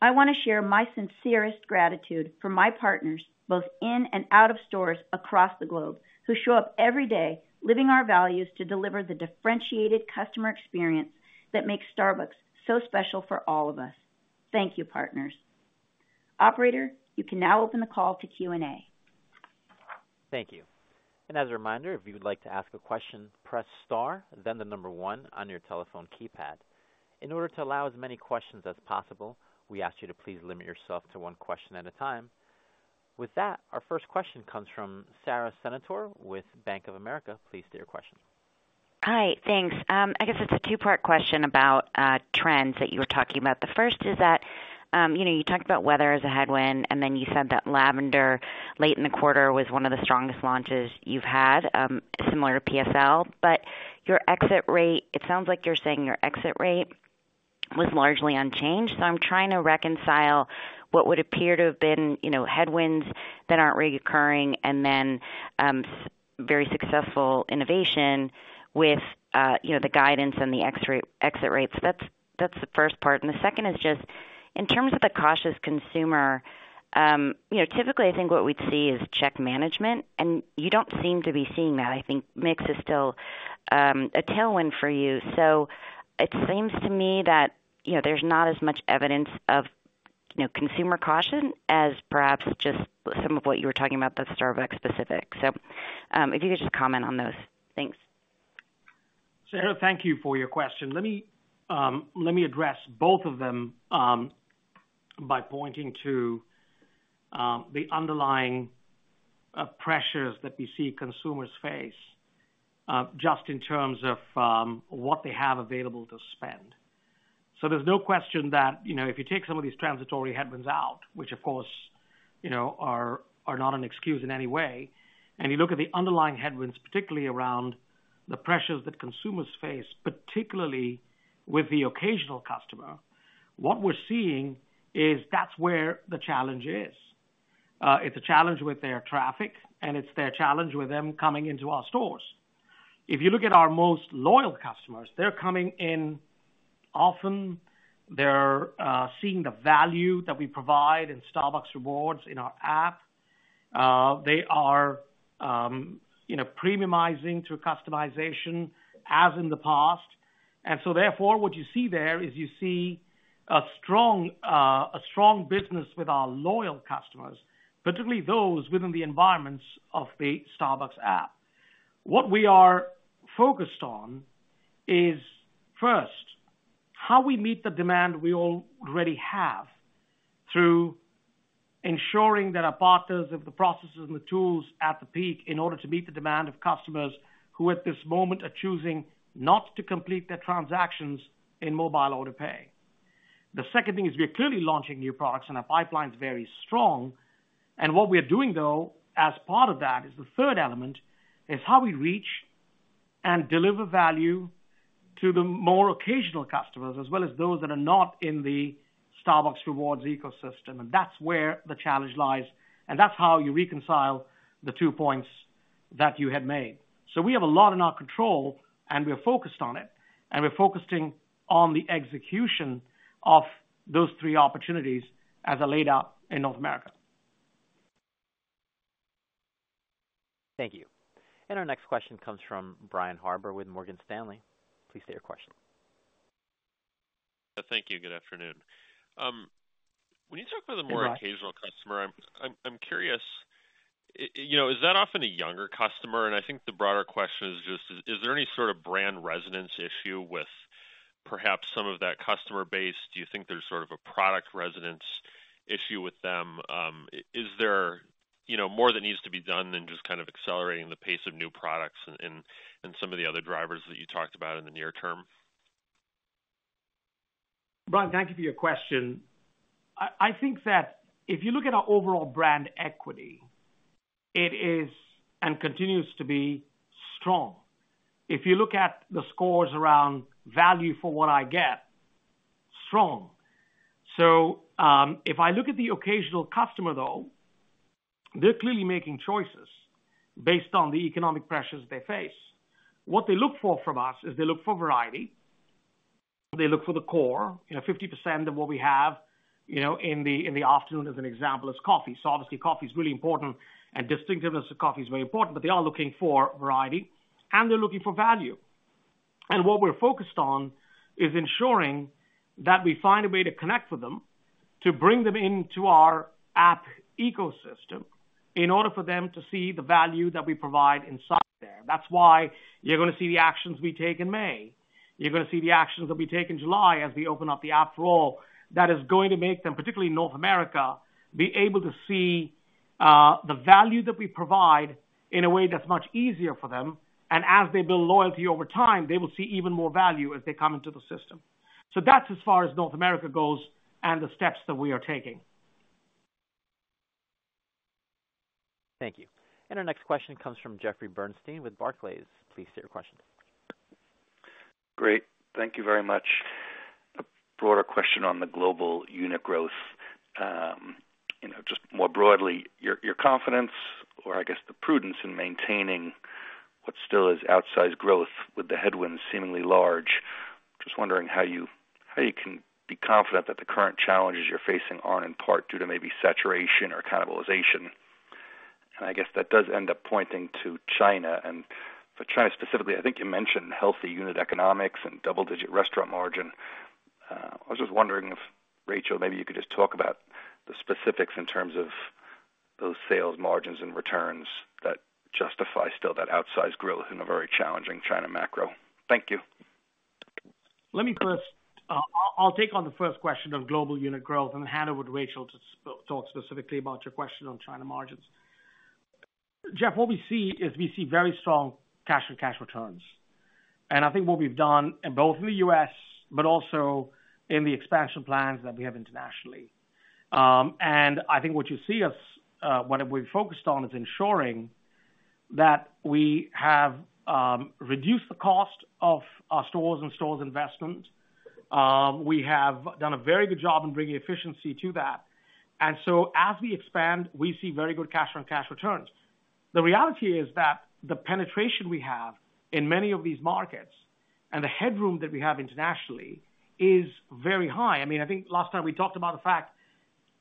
I want to share my sincerest gratitude for my partners, both in and out of stores across the globe, who show up every day living our values to deliver the differentiated customer experience that makes Starbucks so special for all of us. Thank you, partners. Operator, you can now open the call to Q&A. Thank you. As a reminder, if you would like to ask a question, press star, then the number one on your telephone keypad. In order to allow as many questions as possible, we ask you to please limit yourself to one question at a time. With that, our first question comes from Sara Senatore with Bank of America. Please state your question. Hi. Thanks. I guess it's a two-part question about trends that you were talking about. The first is that you talked about weather as a headwind, and then you said that Lavender late in the quarter was one of the strongest launches you've had, similar to PSL. But your exit rate, it sounds like you're saying your exit rate was largely unchanged. So I'm trying to reconcile what would appear to have been headwinds that aren't recurring and then very successful innovation with the guidance and the exit rates. That's the first part. The second is just in terms of the cautious consumer. Typically, I think what we'd see is check management, and you don't seem to be seeing that. I think mix is still a tailwind for you. So it seems to me that there's not as much evidence of consumer caution as perhaps just some of what you were talking about that's Starbucks-specific. So if you could just comment on those. Thanks. Sara, thank you for your question. Let me address both of them by pointing to the underlying pressures that we see consumers face just in terms of what they have available to spend. So there's no question that if you take some of these transitory headwinds out, which, of course, are not an excuse in any way, and you look at the underlying headwinds, particularly around the pressures that consumers face, particularly with the occasional customer, what we're seeing is that's where the challenge is. It's a challenge with their traffic, and it's their challenge with them coming into our stores. If you look at our most loyal customers, they're coming in often. They're seeing the value that we provide in Starbucks Rewards in our app. They are premiumizing through customization as in the past. And so, therefore, what you see there is you see a strong business with our loyal customers, particularly those within the environments of the Starbucks app. What we are focused on is, first, how we meet the demand we already have through ensuring that our partners have the processes and the tools at the peak in order to meet the demand of customers who, at this moment, are choosing not to complete their transactions in Mobile Order & Pay. The second thing is we are clearly launching new products, and our pipeline is very strong. And what we are doing, though, as part of that is the third element, is how we reach and deliver value to the more occasional customers, as well as those that are not in the Starbucks Rewards ecosystem. And that's where the challenge lies, and that's how you reconcile the two points that you had made. So we have a lot in our control, and we are focused on it, and we're focusing on the execution of those three opportunities as I laid out in North America. Thank you. And our next question comes from Brian Harbour with Morgan Stanley. Please state your question. Thank you. Good afternoon. When you talk about the more occasional customer, I'm curious, is that often a younger customer? And I think the broader question is just, is there any sort of brand resonance issue with perhaps some of that customer base? Do you think there's sort of a product resonance issue with them? Is there more that needs to be done than just kind of accelerating the pace of new products and some of the other drivers that you talked about in the near term? Brian, thank you for your question. I think that if you look at our overall brand equity, it is and continues to be strong. If you look at the scores around value for what I get, strong. So if I look at the occasional customer, though, they're clearly making choices based on the economic pressures they face. What they look for from us is they look for variety. They look for the core. 50% of what we have in the afternoon, as an example, is coffee. So obviously, coffee is really important, and distinctiveness of coffee is very important. But they are looking for variety, and they're looking for value. And what we're focused on is ensuring that we find a way to connect with them, to bring them into our app ecosystem in order for them to see the value that we provide inside there. That's why you're going to see the actions we take in May. You're going to see the actions that we take in July as we open up the app for all. That is going to make them, particularly in North America, be able to see the value that we provide in a way that's much easier for them. And as they build loyalty over time, they will see even more value as they come into the system. So that's as far as North America goes and the steps that we are taking. Thank you. And our next question comes from Jeffrey Bernstein with Barclays. Please state your question. Great. Thank you very much. A broader question on the global unit growth. Just more broadly, your confidence or, I guess, the prudence in maintaining what still is outsized growth with the headwinds seemingly large. Just wondering how you can be confident that the current challenges you're facing aren't in part due to maybe saturation or cannibalization? I guess that does end up pointing to China. For China specifically, I think you mentioned healthy unit economics and double-digit restaurant margin. I was just wondering, Rachel, maybe you could just talk about the specifics in terms of those sales margins and returns that justify still that outsized growth in a very challenging China macro. Thank you. Let me first. I'll take on the first question on global unit growth, and then hand over to Rachel to talk specifically about your question on China margins. Jeff, what we see is we see very strong cash-on-cash returns. And I think what we've done both in the U.S. but also in the expansion plans that we have internationally. I think what you see us what we've focused on is ensuring that we have reduced the cost of our stores and stores' investment. We have done a very good job in bringing efficiency to that. So as we expand, we see very good cash-on-cash returns. The reality is that the penetration we have in many of these markets and the headroom that we have internationally is very high. I mean, I think last time we talked about the fact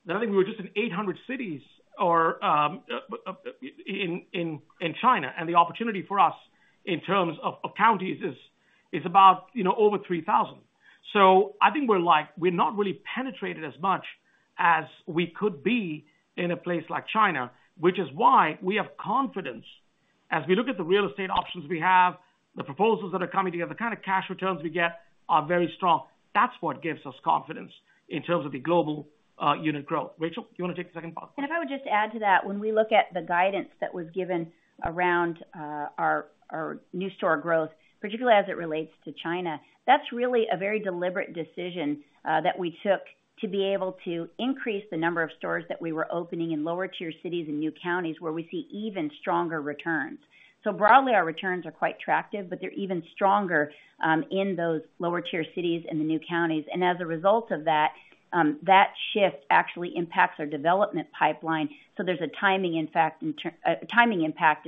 that I think we were just in 800 cities in China, and the opportunity for us in terms of counties is about over 3,000. So I think we're not really penetrated as much as we could be in a place like China, which is why we have confidence. As we look at the real estate options we have, the proposals that are coming together, the kind of cash returns we get are very strong. That's what gives us confidence in terms of the global unit growth. Rachel, you want to take the second part? And if I would just add to that, when we look at the guidance that was given around our new store growth, particularly as it relates to China, that's really a very deliberate decision that we took to be able to increase the number of stores that we were opening in lower-tier cities and new counties where we see even stronger returns. So broadly, our returns are quite attractive, but they're even stronger in those lower-tier cities and the new counties. And as a result of that, that shift actually impacts our development pipeline. So there's a timing impact in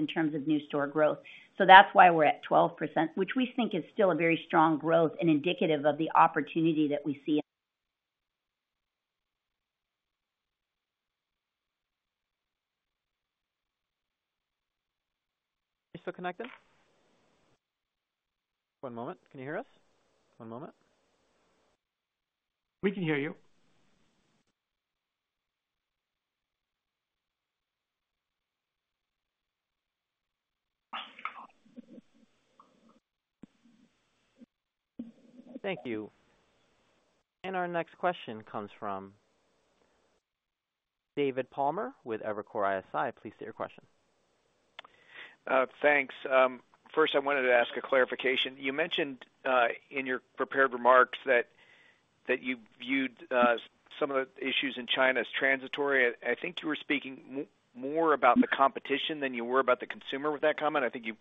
terms of new store growth. So that's why we're at 12%, which we think is still a very strong growth and indicative of the opportunity that we see. You still connected? One moment. Can you hear us? One moment. We can hear you. Thank you. And our next question comes from David Palmer with Evercore ISI. Please state your question. Thanks. First, I wanted to ask a clarification. You mentioned in your prepared remarks that you viewed some of the issues in China as transitory. I think you were speaking more about the competition than you were about the consumer with that comment. I think you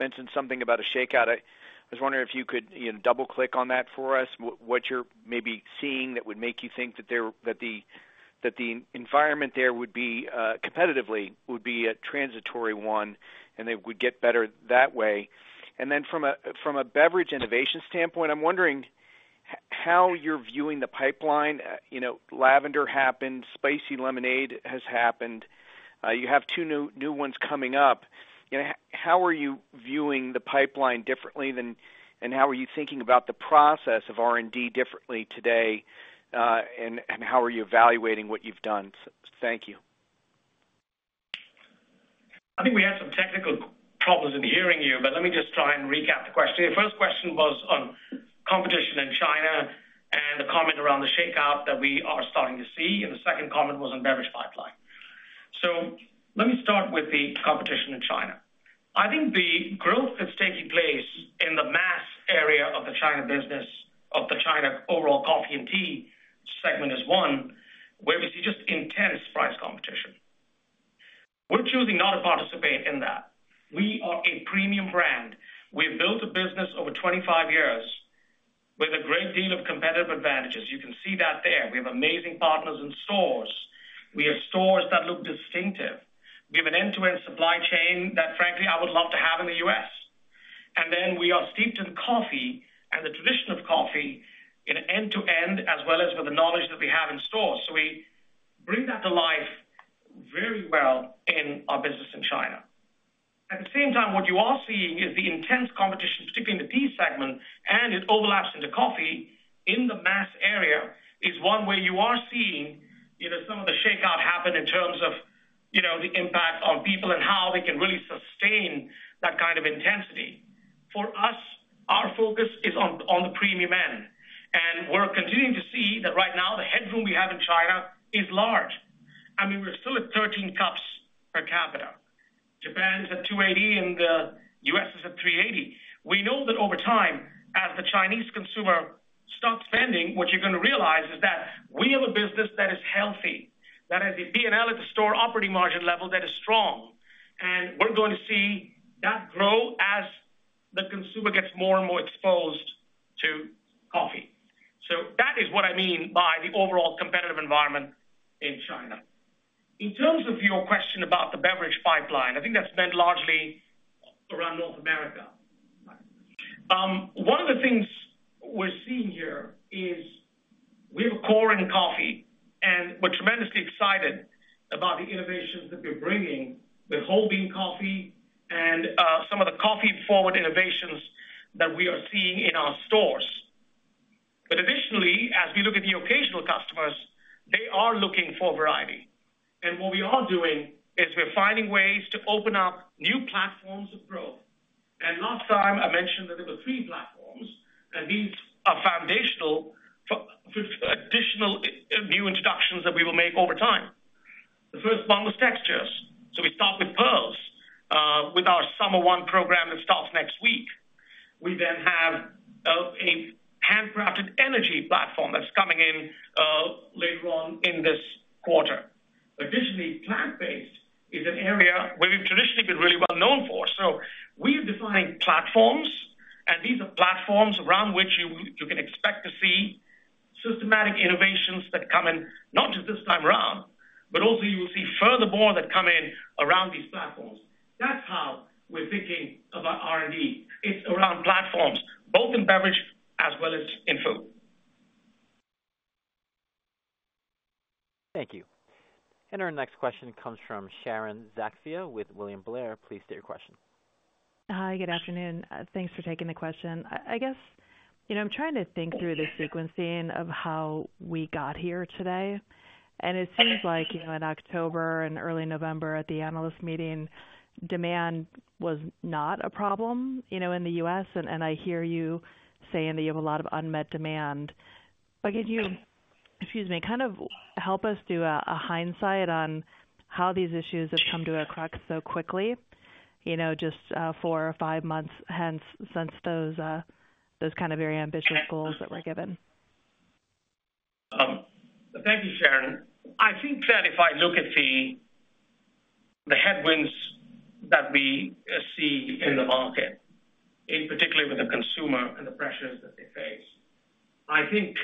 mentioned something about a shakeout. I was wondering if you could double-click on that for us, what you're maybe seeing that would make you think that the environment there would be competitively, would be a transitory one and they would get better that way. And then from a beverage innovation standpoint, I'm wondering how you're viewing the pipeline. Lavender happened. Spicy Lemonade has happened. You have two new ones coming up. How are you viewing the pipeline differently, and how are you thinking about the process of R&D differently today, and how are you evaluating what you've done? Thank you. I think we had some technical problems in hearing you, but let me just try and recap the question. Your first question was on competition in China and the comment around the shakeout that we are starting to see, and the second comment was on beverage pipeline. So let me start with the competition in China. I think the growth that's taking place in the mass area of the China business, of the China overall coffee and tea segment, is one, where we see just intense price competition. We're choosing not to participate in that. We are a premium brand. We have built a business over 25 years with a great deal of competitive advantages. You can see that there. We have amazing partners in stores. We have stores that look distinctive. We have an end-to-end supply chain that, frankly, I would love to have in the U.S. And then we are steeped in coffee and the tradition of coffee in end-to-end as well as with the knowledge that we have in stores. So we bring that to life very well in our business in China. At the same time, what you are seeing is the intense competition, particularly in the tea segment, and it overlaps into coffee in the mass area is one where you are seeing some of the shakeout happen in terms of the impact on people and how they can really sustain that kind of intensity. For us, our focus is on the premium end. We're continuing to see that right now, the headroom we have in China is large. I mean, we're still at 13 cups per capita. Japan is at 280, and the U.S. is at 380. We know that over time, as the Chinese consumer starts spending, what you're going to realize is that we have a business that is healthy, that has a P&L at the store operating margin level that is strong. We're going to see that grow as the consumer gets more and more exposed to coffee. So that is what I mean by the overall competitive environment in China. In terms of your question about the beverage pipeline, I think that's meant largely around North America. One of the things we're seeing here is we have a core in coffee, and we're tremendously excited about the innovations that we're bringing with whole bean coffee and some of the coffee-forward innovations that we are seeing in our stores. But additionally, as we look at the occasional customers, they are looking for variety. And what we are doing is we're finding ways to open up new platforms of growth. And last time, I mentioned that there were three platforms, and these are foundational for additional new introductions that we will make over time. The first one was textures. So we start with pearls with our Summer One program that starts next week. We then have a handcrafted energy platform that's coming in later on in this quarter. Additionally, plant-based is an area where we've traditionally been really well known for. So we are defining platforms, and these are platforms around which you can expect to see systematic innovations that come in not just this time around, but also you will see furthermore that come in around these platforms. That's how we're thinking about R&D. It's around platforms, both in beverage as well as in food. Thank you. And our next question comes from Sharon Zackfia with William Blair. Please state your question. Hi. Good afternoon. Thanks for taking the question. I guess I'm trying to think through the sequencing of how we got here today. It seems like in October and early November at the analyst meeting, demand was not a problem in the U.S. I hear you saying that you have a lot of unmet demand. Could you, excuse me, kind of help us do a hindsight on how these issues have come to a crux so quickly, just four or five months since those kind of very ambitious goals that were given? Thank you, Sharon. I think that if I look at the headwinds that we see in the market, in particular with the consumer and the pressures that they face, I think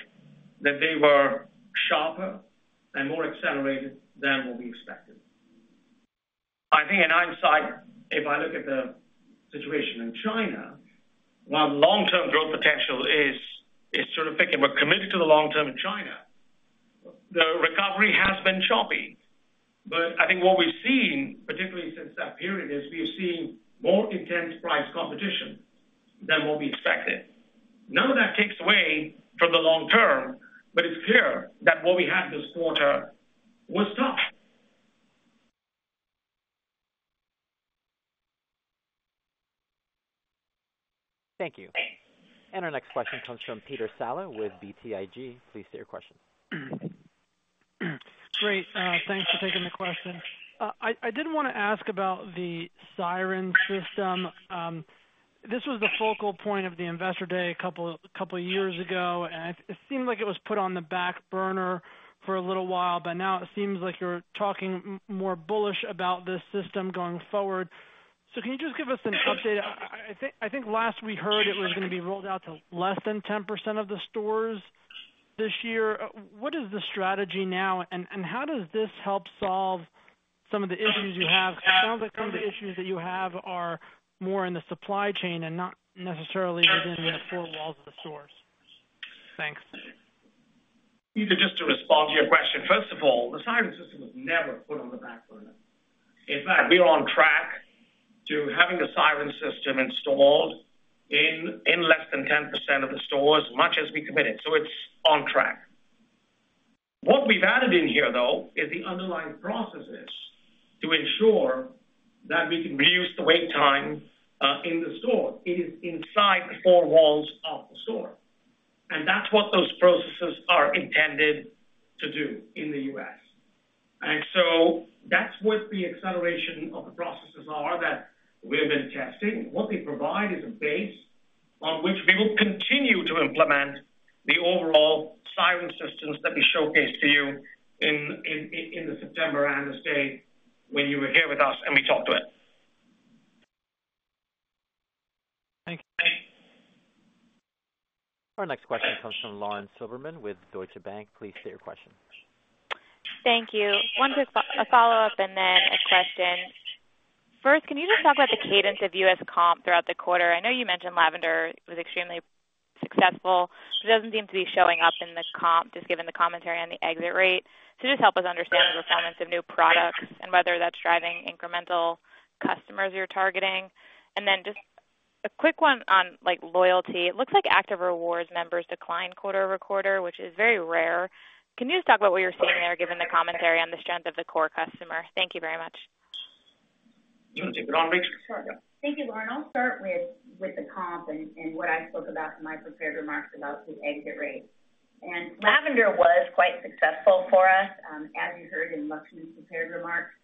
that they were sharper and more accelerated than what we expected. I think in hindsight, if I look at the situation in China, while the long-term growth potential is significant, we're committed to the long term in China, the recovery has been choppy. But I think what we've seen, particularly since that period, is we've seen more intense price competition than what we expected. None of that takes away from the long term, but it's clear that what we had this quarter was tough. Thank you. And our next question comes from Peter Saleh with BTIG. Please state your question. Great. Thanks for taking the question. I did want to ask about the Siren System. This was the focal point of the Investor Day a couple of years ago, and it seemed like it was put on the back burner for a little while. But now it seems like you're talking more bullish about this system going forward. So can you just give us an update? I think last we heard it was going to be rolled out to less than 10% of the stores this year. What is the strategy now, and how does this help solve some of the issues you have? Because it sounds like some of the issues that you have are more in the supply chain and not necessarily within the four walls of the stores. Thanks. Peter just to respond to your question, first of all, the Siren System was never put on the back burner. In fact, we are on track to having the Siren System installed in less than 10% of the stores as much as we committed. So it's on track. What we've added in here, though, is the underlying processes to ensure that we can reduce the wait time in the store. It is inside the four walls of the store. That's what those processes are intended to do in the U.S. And so that's what the acceleration of the processes are that we have been testing. What they provide is a base on which we will continue to implement the overall Siren Systems that we showcased to you in the September anniversary when you were here with us and we talked to it. Thank you. Our next question comes from Lauren Silberman with Deutsche Bank. Please state your question. Thank you. One quick follow-up and then a question. First, can you just talk about the cadence of U.S. comp throughout the quarter? I know you mentioned Lavender was extremely successful, but it doesn't seem to be showing up in the comp just given the commentary on the exit rate. So just help us understand the performance of new products and whether that's driving incremental customers you're targeting. And then just a quick one on loyalty. It looks like active Rewards members declined quarter over quarter, which is very rare. Can you just talk about what you're seeing there given the commentary on the strength of the core customer? Thank you very much. Do you want to take it on, Rachel? Sure. Thank you, Lauren. I'll start with the comp and what I spoke about in my prepared remarks about the exit rate. And Lavender was quite successful for us, as you heard in Laxman's prepared remarks.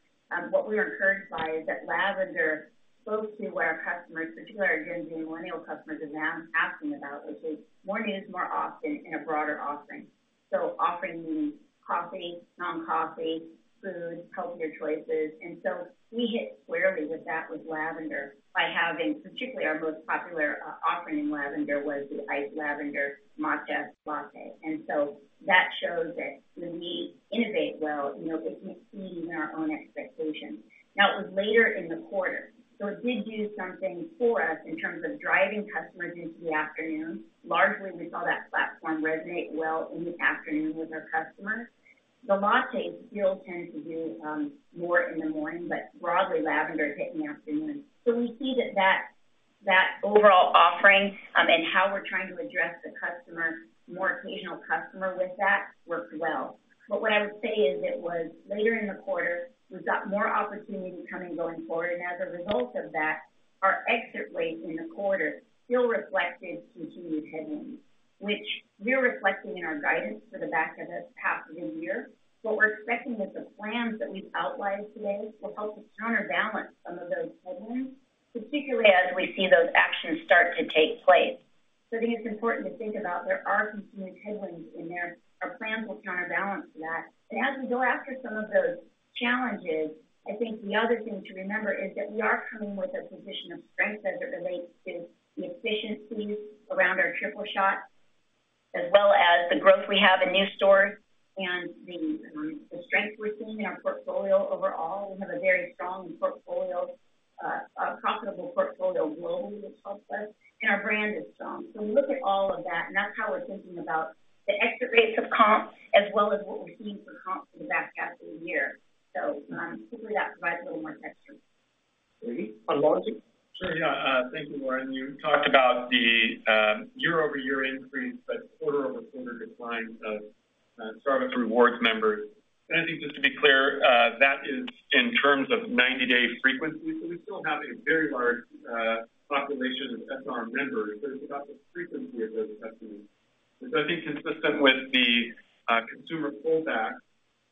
What we were encouraged by is that Lavender spoke to where our customers, particularly our Gen Z and Millennial customers, are asking about, which is more news more often in a broader offering. So offering means coffee, non-coffee, food, healthier choices. And so we hit squarely with that with Lavender by having particularly our most popular offering in Lavender was the Iced Lavender Matcha Latte. So that shows that when we innovate well, it can exceed even our own expectations. Now, it was later in the quarter, so it did do something for us in terms of driving customers into the afternoon. Largely, we saw that platform resonate well in the afternoon with our customers. The lattes still tend to do more in the morning, but broadly, Lavender hit in the afternoon. So we see that that overall offering and how we're trying to address the more occasional customer with that worked well. But what I would say is it was later in the quarter. We've got more opportunity coming going forward. And as a result of that, our exit rate in the quarter still reflected continued headwinds, which we're reflecting in our guidance for the back half of the year. What we're expecting is the plans that we've outlined today will help to counterbalance some of those headwinds, particularly as we see those actions start to take place. So I think it's important to think about there are continued headwinds in there. Our plans will counterbalance that. And as we go after some of those challenges, I think the other thing to remember is that we are coming with a position of strength as it relates to the efficiencies around our Triple Shot as well as the growth we have in new stores and the strength we're seeing in our portfolio overall. We have a very strong and profitable portfolio globally, which helps us, and our brand is strong. So we look at all of that, and that's how we're thinking about the exit rates of comp as well as what we're seeing for comp for the back half of the year. So hopefully, that provides a little more texture. Brady, on launching? Sure. Yeah. Thank you, Lauren. You talked about the year-over-year increase but quarter-over-quarter decline of Starbucks Rewards members. And I think just to be clear, that is in terms of 90-day frequency. So we still have a very large population of SR members, but it's about the frequency of those customers. It's, I think, consistent with the consumer pullback.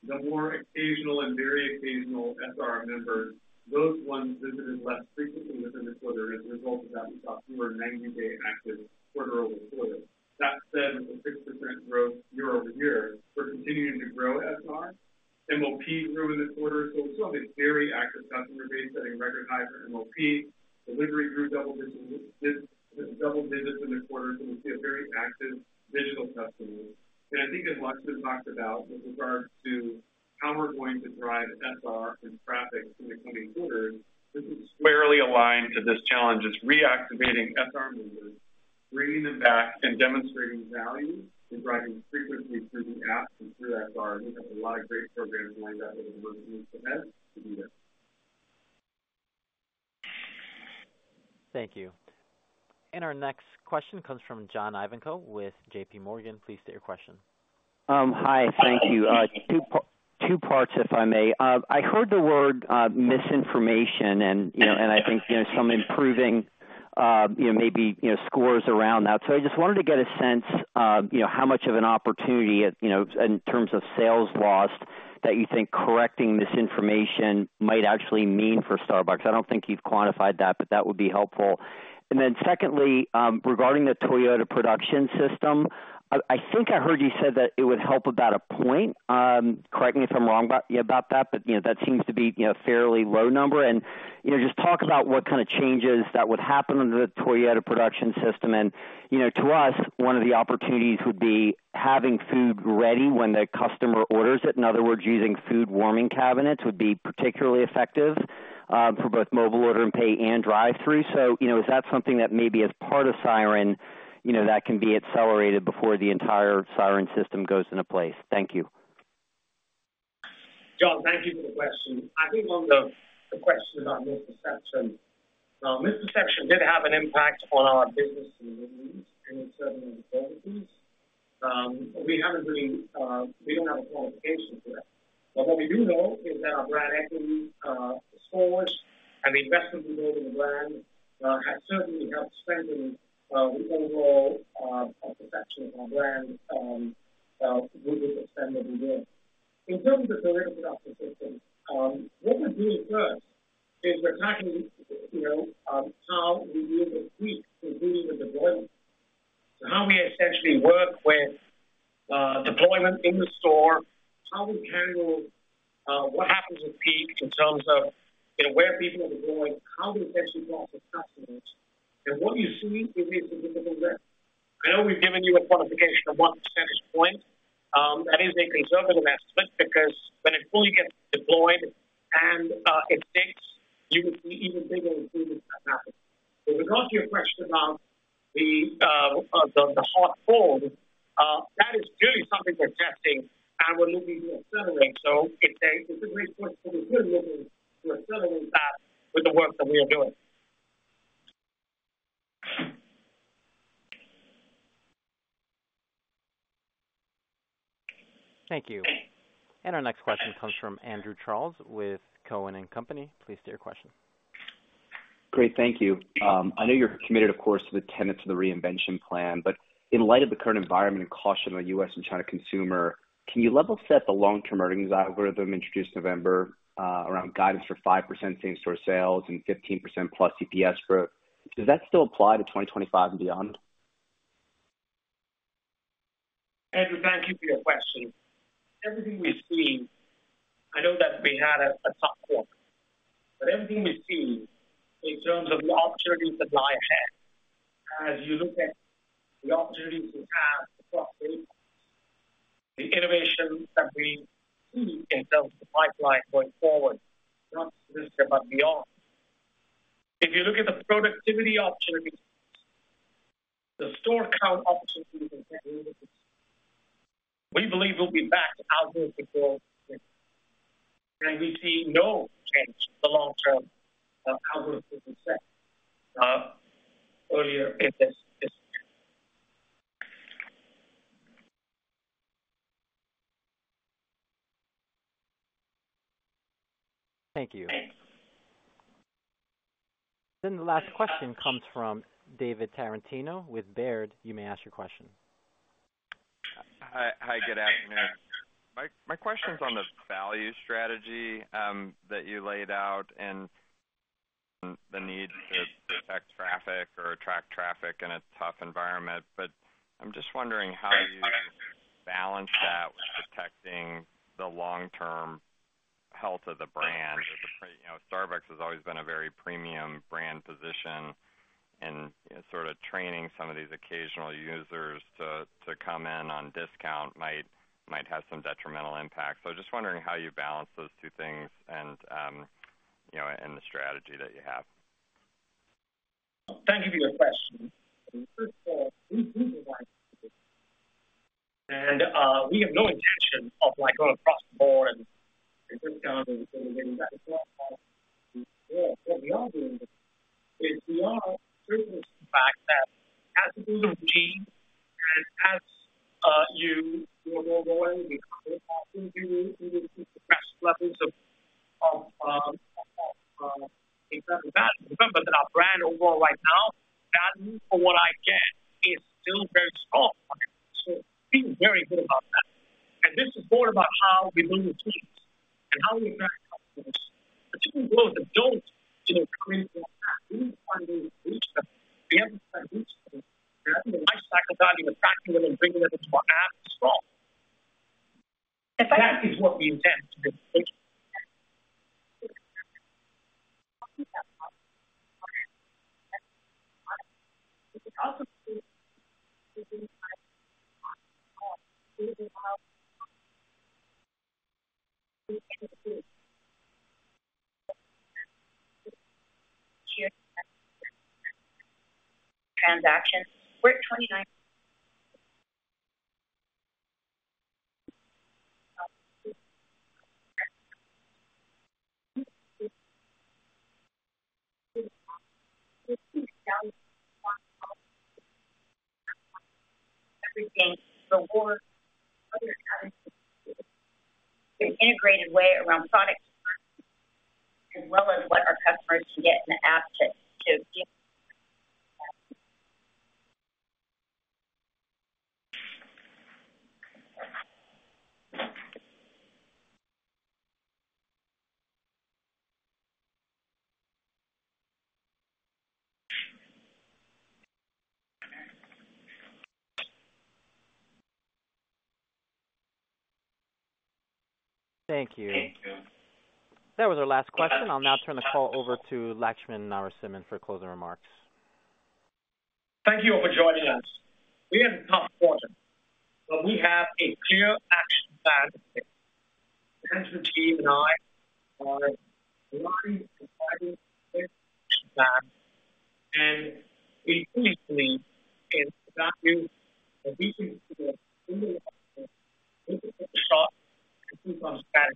The more occasional and very occasional SR members, those ones visited less frequently within the quarter. As a result of that, we saw fewer 90-day active quarter-over-quarter. That said, with the 6% growth year-over-year, we're continuing to grow SR. MOP grew in this quarter, so we still have a very active customer base setting record high for MOP. Delivery grew double digits in the quarter, so we see a very active digital customer. And I think, as Laxman talked about with regard to how we're going to drive SR and traffic in the coming quarters, this is squarely aligned to this challenge of reactivating SR members, bringing them back, and demonstrating value and driving frequency through the app and through SR. And we have a lot of great programs lined up over the months ahead to do that. Thank you. Our next question comes from John Ivankoe with J.P. Morgan. Please state your question. Hi. Thank you. Two parts, if I may. I heard the word misinformation, and I think some improving maybe scores around that. So I just wanted to get a sense how much of an opportunity in terms of sales lost that you think correcting misinformation might actually mean for Starbucks. I don't think you've quantified that, but that would be helpful. And then secondly, regarding the Toyota Production System, I think I heard you said that it would help about a point. Correct me if I'm wrong about that, but that seems to be a fairly low number. And just talk about what kind of changes that would happen under the Toyota Production System. And to us, one of the opportunities would be having food ready when the customer orders it. In other words, using food warming cabinets would be particularly effective for both mobile order and pay and drive-through. So is that something that maybe as part of Siren, that can be accelerated before the entire Siren System goes into place? Thank you. John, thank you for the question. I think on the question about misperception, misperception did have an impact on our business and certainly the policies. We don't have a quantification for it. But what we do know is that our brand equity scores and the investment we build in the brand have certainly helped strengthen the overall perception of our brand with the extent that we do. In terms of the Toyota Production System, what we're doing first is we're tackling how we deal with peak, including the deployment. So how we essentially work with deployment in the store, how we handle what happens with peak in terms of where people are deployed, how we essentially process customers, and what you see if it's a difficult rep. I know we've given you a quantification of 1 percentage point. That is a conservative estimate because when it fully gets deployed and it sticks, you would see even bigger improvements that happen. With regard to your question about the hot hold, that is purely something we're testing, and we're looking to accelerate. So it's a great question because we're looking to accelerate that with the work that we are doing. Thank you. Our next question comes from Andrew Charles with Cowen. Please state your question. Great. Thank you. I know you're committed, of course, to the tenets of the reinvention plan. But in light of the current environment and caution of the U.S. and China consumer, can you level set the long-term earnings algorithm introduced November around guidance for 5% same-store sales and 15%+ EPS growth? Does that still apply to 2025 and beyond? Andrew, thank you for your question. Everything we've seen, I know that we had a tough quarter, but everything we've seen in terms of the opportunities that lie ahead, as you look at the opportunities we have across the eight months, the innovation that we see in terms of the pipeline going forward, not specifically but beyond, if you look at the productivity opportunities, the store count opportunities and technologies, we believe we'll be back to algorithmic growth again. And we see no change in the long-term algorithmic reset earlier in this year. Thank you. Thanks. Then the last question comes from David Tarantino with Baird. You may ask your question. Hi. Good afternoon. My question's on the value strategy that you laid out and the need to protect traffic or attract traffic in a tough environment. But I'm just wondering how you balance that with protecting the long-term health of the brand. Starbucks has always been a very premium brand position, and sort of training some of these occasional users to come in on discount might have some detrimental impact. So I'm just wondering how you balance those two things in the strategy that you have. Thank you for your question. First of all, we do provide solutions, and we have no intention of going across the board and discounting everything. What we are doing is we are certain. The fact that as it goes on the routine and as your goal goes away, we increase the progression levels of incremental value. Remember that our brand overall right now, value for what I get, is still very strong. So we feel very good about that. And this is more about how we build routines and how we attract customers, particularly those that don't come into our app. We need to find those routine customers. We have to find routine customers that have a lifetime value attracting them and bringing them into our app is strong. That is what we intend to do. Thank you. Thank you. That was our last question. I'll now turn the call over to Laxman Narasimhan for closing remarks. Thank you all for joining us. We had a tough quarter, but we have a clear action plan. The management team and I are aligning and providing a clear action plan, and we fully believe in the value that we can deliver in the long run with the Triple Shot Reinvention with Two Pumps. Again,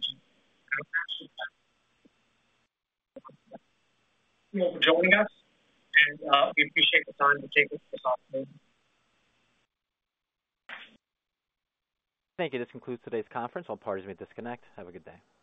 thank you all for joining us, and we appreciate the time to take this opportunity. Thank you. This concludes today's conference. All parties may disconnect. Have a good day.